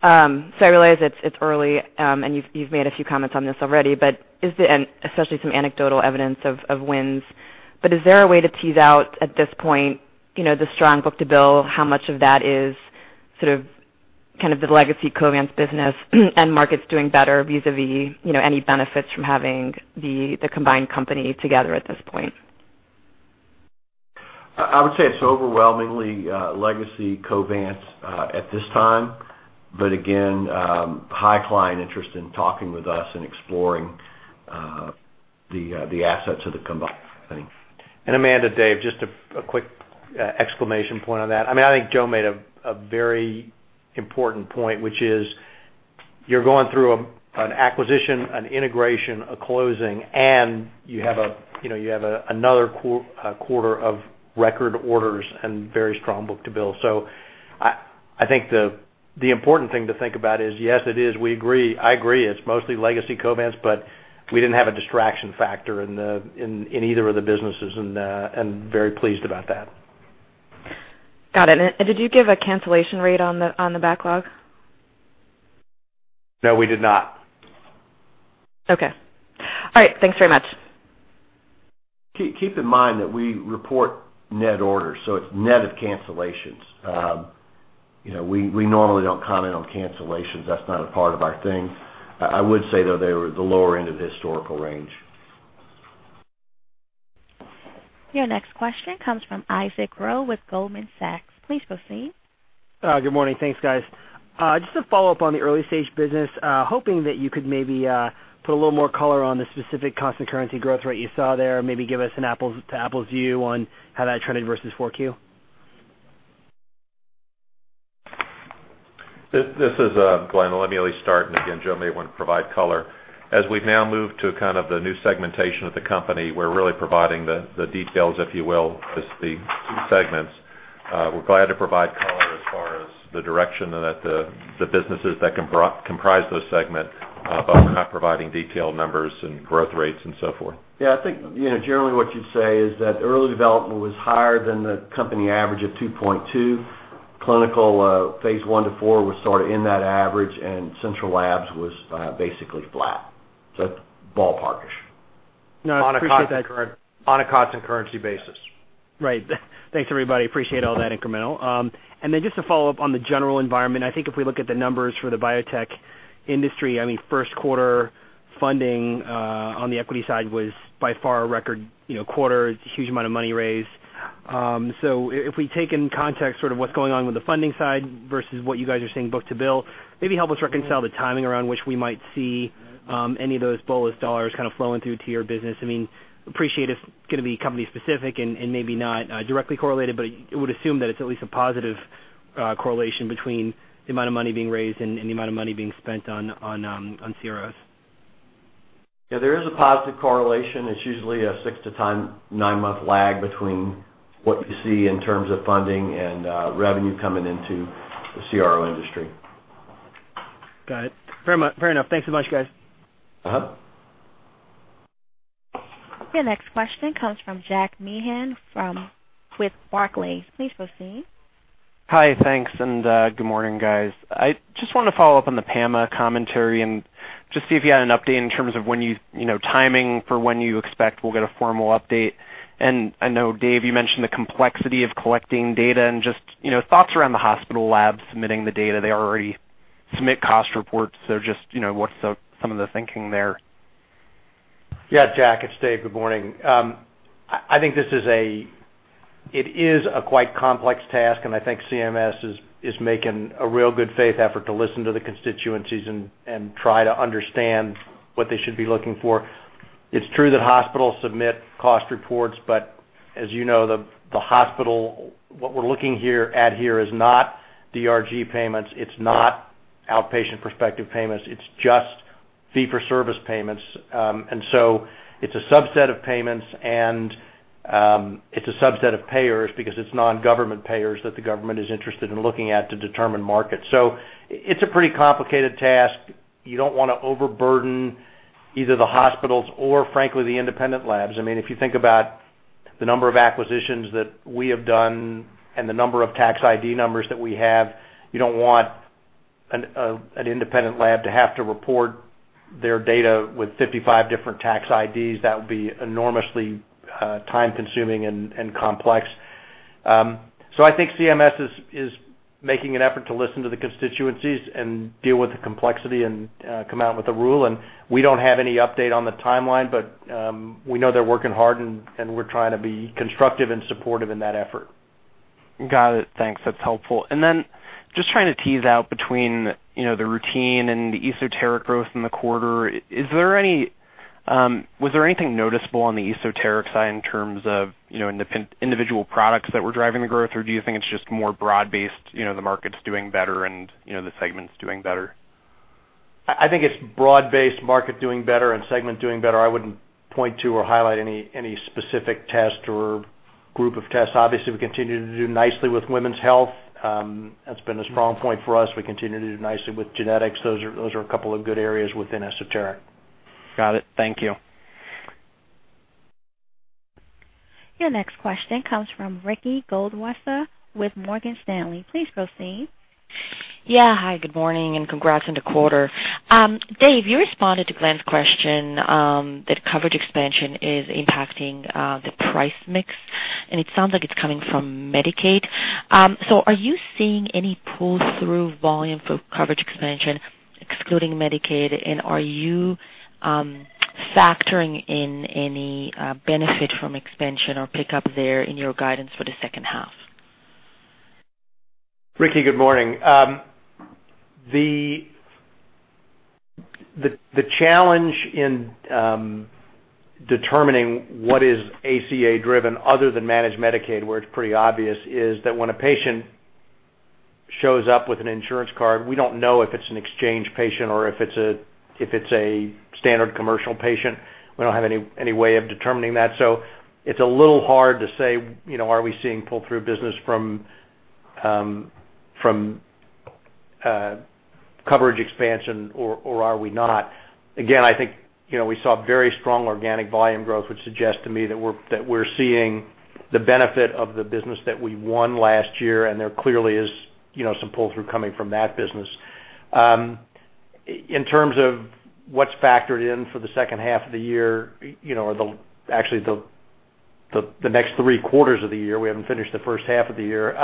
M: I realize it's early, and you've made a few comments on this already, but especially some anecdotal evidence of wins. Is there a way to tease out at this point the strong book to bill, how much of that is sort of kind of the legacy Covance business and markets, doing better vis-à-vis any benefits from having the combined company together at this point?
I: I would say it's overwhelmingly legacy Covance, at this time, but again, high client interest in talking with us and exploring the assets of the combined company.
C: Amanda, Dave, just a quick exclamation point on that. I mean, I think Joe, made a very important point, which is you are going through an acquisition, an integration, a closing, and you have another quarter of record orders, and very strong book to bill. I think the important thing to think about is, yes, it is. We agree. I agree. It is mostly legacy Covance, but we did not have a distraction factor in either of the businesses and very pleased about that.
M: Got it. Did you give a cancellation rate on the backlog?
C: No, we did not.
M: Okay. All right. Thanks very much.
I: Keep in mind that we report net orders, so it is net of cancellations. We normally do not comment on cancellations. That is not a part of our thing. I would say, though, they were at the lower end of the historical range.
A: Yeah, next question comes from Isaac Rowe, with Goldman Sachs. Please proceed.
N: Good morning. Thanks, guys. Just a follow-up on the early stage business. Hoping that you could maybe put a little more color on the specific constant currency growth rate, you saw there, maybe give us an apples-to-apples view on how that trended versus 4Q.
D: This is Glenn. Let me at least start, and again, Joe may want to provide color. As we've now moved to kind of the new segmentation of the company, we're really providing the details, if you will, as the segments. We're glad to provide color as far as the direction and the businesses that comprise those segments, but we're not providing detailed numbers and growth rates and so forth.
I: Yeah, I think generally what you'd say is that early development was higher than the company average of 2.2. Clinical phase I to IV, was sort of in that average, and Central Labs, was basically flat. That is ballpark-ish. On a constant currency basis.
N: Right. Thanks, everybody. Appreciate all that incremental. And then just to follow up on the general environment, I think if we look at the numbers for the biotech industry, I mean, first quarter funding, on the equity side was by far a record quarter, huge amount of money raised. If we take in context sort of what is going on with the funding side versus what you guys are seeing book to bill, maybe help us reconcile the timing around which we might see any of those bolus dollars kind of flowing through to your business. I mean, appreciate it's going to be company-specific and maybe not directly correlated, but I would assume that it's at least a positive correlation between the amount of money being raised and the amount of money being spent on CROs.
I: Yeah, there is a positive correlation. It's usually a six-to-nine-month lag, between what you see in terms of funding and revenue coming into the CRO industry.
N: Got it. Fair enough. Thanks so much, guys.
A: Next question comes from Jack Meehan, with Barclays. Please proceed.
O: Hi. Thanks. And good morning, guys. I just wanted to follow up on the PAMA commentary, and just see if you had an update in terms of timing for when you expect we'll get a formal update. I know, Dave, you mentioned the complexity of collecting data and just thoughts around the hospital labs submitting the data. They already submit cost reports. Just what's some of the thinking there?
C: Yeah, Jack, it's Dave. Good morning. I think this is a, it is a quite complex task, and I think CMS, is making a real good faith effort to listen to the constituencies and try to understand what they should be looking for. It's true that hospitals submit cost reports, but as you know, the hospital, what we're looking at here is not DRG payments. It's not outpatient prospective payments. It's just fee-for-service payments. It's a subset of payments, and it's a subset of payers because it's non-government payers that the government is interested in looking at to determine markets. It's a pretty complicated task. You don't want to overburden either the hospitals or, frankly, the independent labs. I mean, if you think about the number of acquisitions that we have done and the number of tax ID numbers, that we have, you don't want an independent lab to have to report their data with 55 different tax IDs. That would be enormously time-consuming and complex. I think CMS, is making an effort to listen to the constituencies and deal with the complexity and come out with a rule. We don't have any update on the timeline, but we know they're working hard, and we're trying to be constructive and supportive in that effort.
O: Got it. Thanks. That's helpful. Just trying to tease out between the routine and the esoteric growth, in the quarter, was there anything noticeable on the esoteric side, in terms of individual products that were driving the growth, or do you think it's just more broad-based, the market's doing better and the segment's doing better?
C: I think it's broad-based, market doing better and segment doing better. I wouldn't point to or highlight any specific test or group of tests. Obviously, we continue to do nicely with women's health. That's been a strong point for us. We continue to do nicely with genetics. Those are a couple of good areas within esoteric.
O: Got it. Thank you.
A: Next question comes from Ricky Goldwasser, with Morgan Stanley. Please proceed.
P: Yeah. Hi. Good morning and congrats on the quarter. Dave, you responded to Glen's question that coverage expansion is impacting the price mix, and it sounds like it's coming from Medicaid. Are you seeing any pull-through volume for coverage expansion, excluding Medicaid? Are you factoring in any benefit from expansion or pickup there in your guidance for the second half?
C: Ricky, good morning. The challenge in determining what is ACA-driven, other than managed Medicaid, where it's pretty obvious, is that when a patient shows up with an insurance card, we do not know if it's an exchange patient or if it's a standard commercial patient. We do not have any way of determining that. It is a little hard to say, are we seeing pull-through business from coverage expansion or are we not? Again, I think we saw very strong organic volume growth, which suggests to me that we're seeing the benefit of the business that we won last year, and there clearly is some pull-through coming from that business. In terms of what's factored in for the second half of the year or actually the next three quarters of the year, we haven't finished the first half of the year,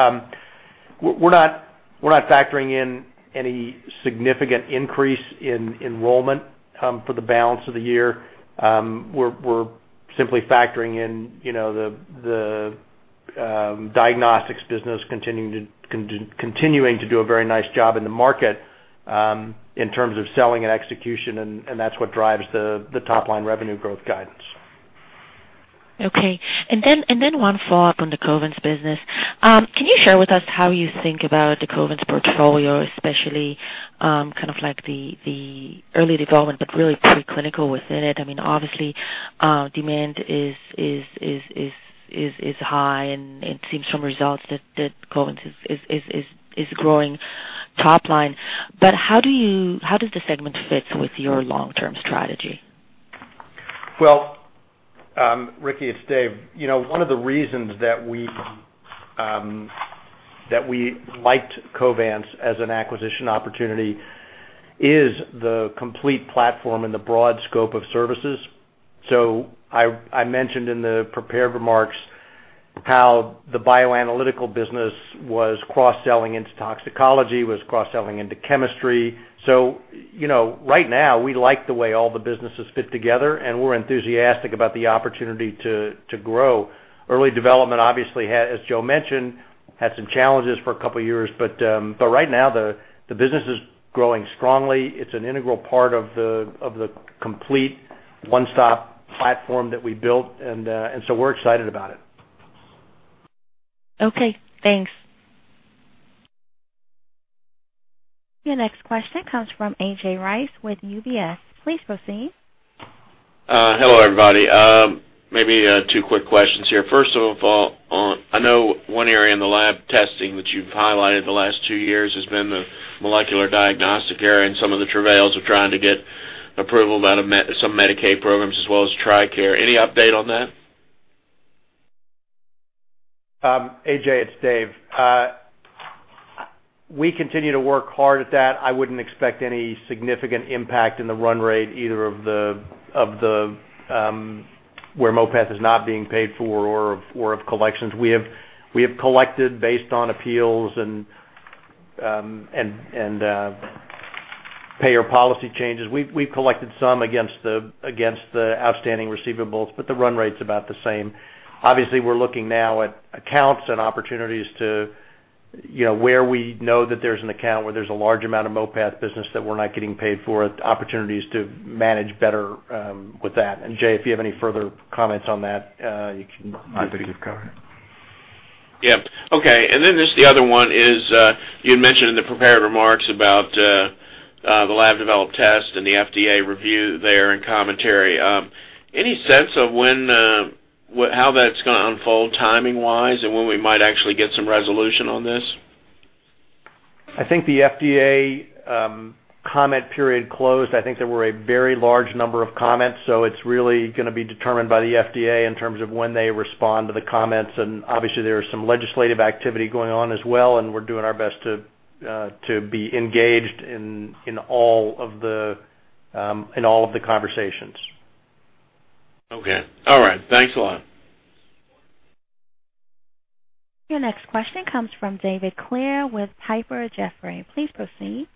C: we're not factoring in any significant increase in enrollment for the balance of the year. We're simply factoring in the diagnostics business continuing to do a very nice job in the market in terms of selling and execution, and that's what drives the top-line revenue growth guidance.
P: Okay. And then one follow-up on the Covance business. Can you share with us how you think about the Covance portfolio, especially kind of like the early development, but really preclinical within it? I mean, obviously, demand is high, and it seems from results that Covance, is growing top line. How does the segment fit with your long-term strategy?
C: Ricky, it's Dave. One of the reasons that we liked Covance, as an acquisition opportunity is the complete platform and the broad scope of services. I mentioned in the prepared remarks how the bioanalytical business was cross-selling into toxicology, was cross-selling into chemistry. Right now, we like the way all the businesses fit together, and we're enthusiastic about the opportunity to grow. Early development, obviously, as Joe mentioned, had some challenges for a couple of years, but right now, the business is growing strongly. It's an integral part of the complete one-stop platform that we built, and we're excited about it.
P: Okay. Thanks.
A: Next question comes from AJ Rice, with UBS. Please proceed.
Q: Hello, everybody. Maybe two quick questions here. First of all, I know one area in the lab testing that you've highlighted the last two years has been the molecular diagnostic area and some of the travails of trying to get approval about some Medicaid programs, as well as TRICARE. Any update on that?
C: AJ, it's Dave. We continue to work hard at that. I wouldn't expect any significant impact in the run rate either of the where MOPES, is not being paid for or of collections. We have collected based on appeals and payer policy changes. We've collected some against the outstanding receivables, but the run rate's about the same. Obviously, we're looking now at accounts and opportunities to where we know that there's an account where there's a large amount of MOPES business, that we're not getting paid for, opportunities to manage better with that. Jay, if you have any further comments on that, you can. I think you've covered it.
Q: Yeah. Okay. The other one is you had mentioned in the prepared remarks about the lab-developed test and the FDA review, there and commentary. Any sense of how that's going to unfold timing-wise and when we might actually get some resolution on this?
C: I think the FDA, comment period closed. I think there were a very large number of comments, so it's really going to be determined by the FDA, in terms of when they respond to the comments. Obviously, there is some legislative activity going on as well, and we're doing our best to be engaged in all of the conversations.
Q: Okay. All right. Thanks a lot.
A: Yeah, next question comes from David Clair, with Piper Jaffray. Please proceed.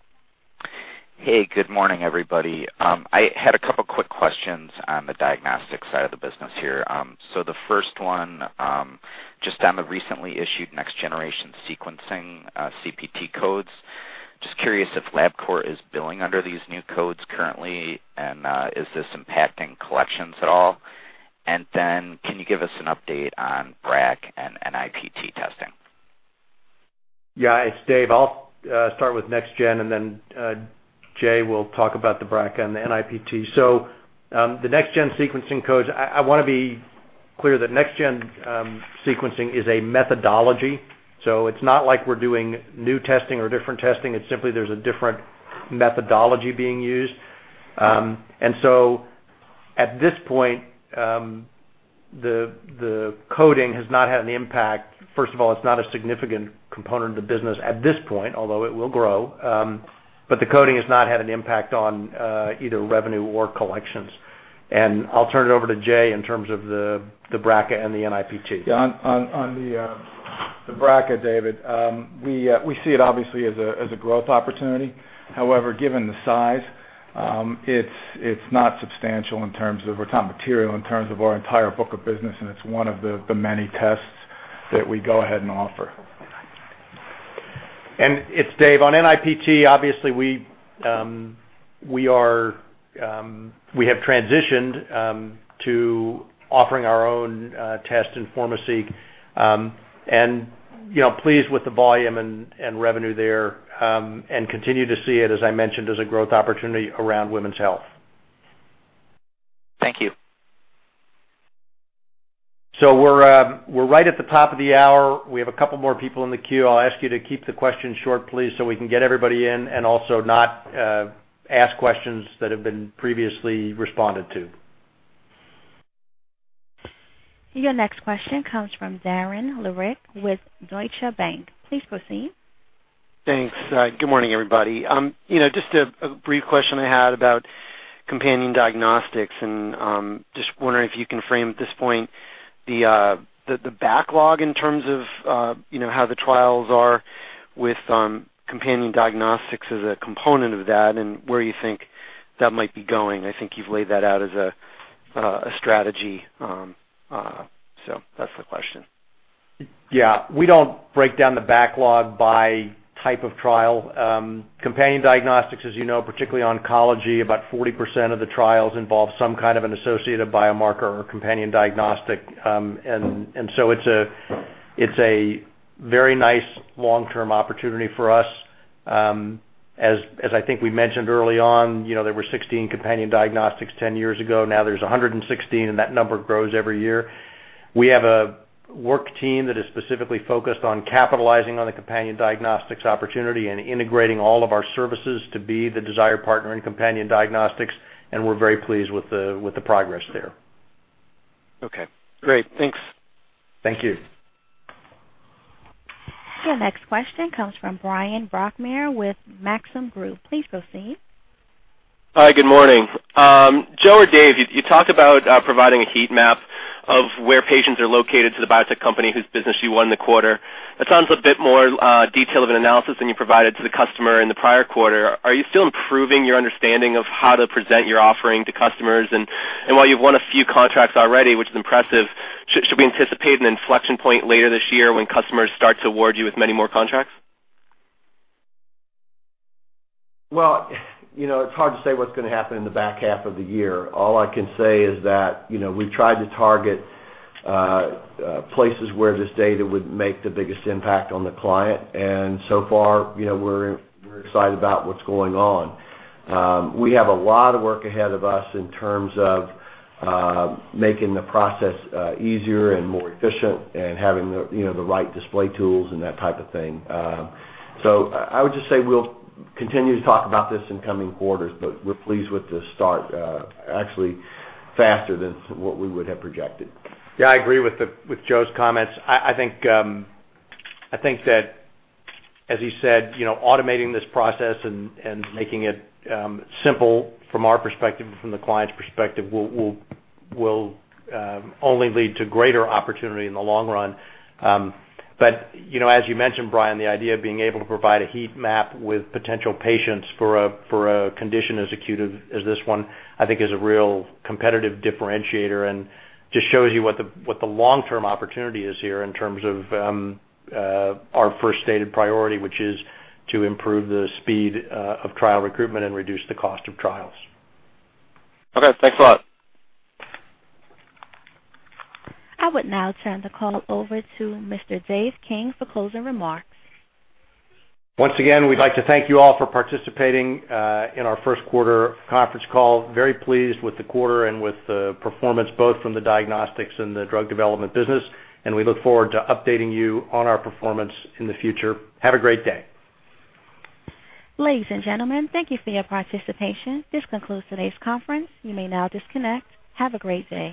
R: Hey, good morning, everybody. I had a couple of quick questions on the diagnostic side of the business here. The first one, just on the recently issued next-generation sequencing CPT codes, just curious if Labcorp, is billing under these new codes currently, and is this impacting collections at all? Can you give us an update on BRCA and NIPT testing?
C: Yeah, it's Dave. I'll start with next-gen, and then Jay will talk about the BRCA and the NIPT. The next-gen sequencing codes, I want to be clear that next-gen sequencing is a methodology. It's not like we're doing new testing or different testing. It's simply there's a different methodology being used. At this point, the coding has not had an impact. First of all, it's not a significant component of the business at this point, although it will grow, but the coding has not had an impact on either revenue or collections. I'll turn it over to Jay in terms of the BRCA and the NIPT.
G: Yeah. On the BRCA, David, we see it obviously as a growth opportunity. However, given the size, it's not substantial in terms of we're talking material in terms of our entire book of business, and it's one of the many tests that we go ahead and offer.
C: It's Dave. On NIPT, obviously, we have transitioned to offering our own test in pharmacy and pleased with the volume and revenue, there and continue to see it, as I mentioned, as a growth opportunity around women's health. Thank you. We're right at the top of the hour.
D: We have a couple more people in the queue. I'll ask you to keep the questions short, please, so we can get everybody in and also not ask questions that have been previously responded to.
A: Yeah, next question comes from Darren Lehrich, with Deutsche Bank. Please proceed.
S: Thanks. Good morning, everybody. Just a brief question I had about companion diagnostics and just wondering if you can frame at this point the backlog, in terms of how the trials are with companion diagnostics as a component of that and where you think that might be going. I think you've laid that out as a strategy. So that's the question.
C: Yeah. We don't break down the backlog by type of trial. Companion diagnostics, as you know, particularly oncology, about 40%, of the trials involve some kind of an associated biomarker or companion diagnostic. It is a very nice long-term opportunity for us. As I think we mentioned early on, there were 16 companion diagnostics, 10 years ago. Now there are 116, and that number grows every year. We have a work team that is specifically focused on capitalizing on the companion diagnostics opportunity, and integrating all of our services to be the desired partner in companion diagnostics, and we are very pleased with the progress there.
S: Okay. Great. Thanks.
C: Thank you.
A: Yeah, next question comes from Brian Brockmere, with Maxim Group. Please proceed.
T: Hi. Good morning. Joe or Dave, you talked about providing a heat map of where patients are located to the biotech company whose business you won the quarter. That sounds a bit more detailed of an analysis than you provided to the customer in the prior quarter. Are you still improving your understanding of how to present your offering to customers? While you've won a few contracts already, which is impressive, should we anticipate an inflection point later this year when customers start to award you with many more contracts?
I: It is hard to say what's going to happen in the back half of the year. All I can say is that we've tried to target places where this data would make the biggest impact on the client, and so far, we're excited about what's going on. We have a lot of work ahead of us in terms of making the process easier and more efficient and having the right display tools and that type of thing. I would just say we'll continue to talk about this in coming quarters, but we're pleased with the start, actually faster than what we would have projected.
C: Yeah, I agree with Joe's, comments. I think that, as he said, automating this process and making it simple from our perspective and from the client's perspective will only lead to greater opportunity in the long run. As you mentioned, Brian, the idea of being able to provide a heat map with potential patients for a condition as acute as this one, I think, is a real competitive differentiator and just shows you what the long-term opportunity, is here in terms of our first stated priority, which is to improve the speed of trial recruitment and reduce the cost of trials.
T: Okay. Thanks a lot.
A: I would now turn the call over to Mr. Dave King, for closing remarks.
C: Once again, we'd like to thank you all for participating in our first quarter conference call. Very pleased with the quarter and with the performance both from the diagnostics and the drug development business, and we look forward to updating you on our performance in the future. Have a great day.
A: Ladies and gentlemen, thank you for your participation. This concludes today's conference. You may now disconnect. Have a great day.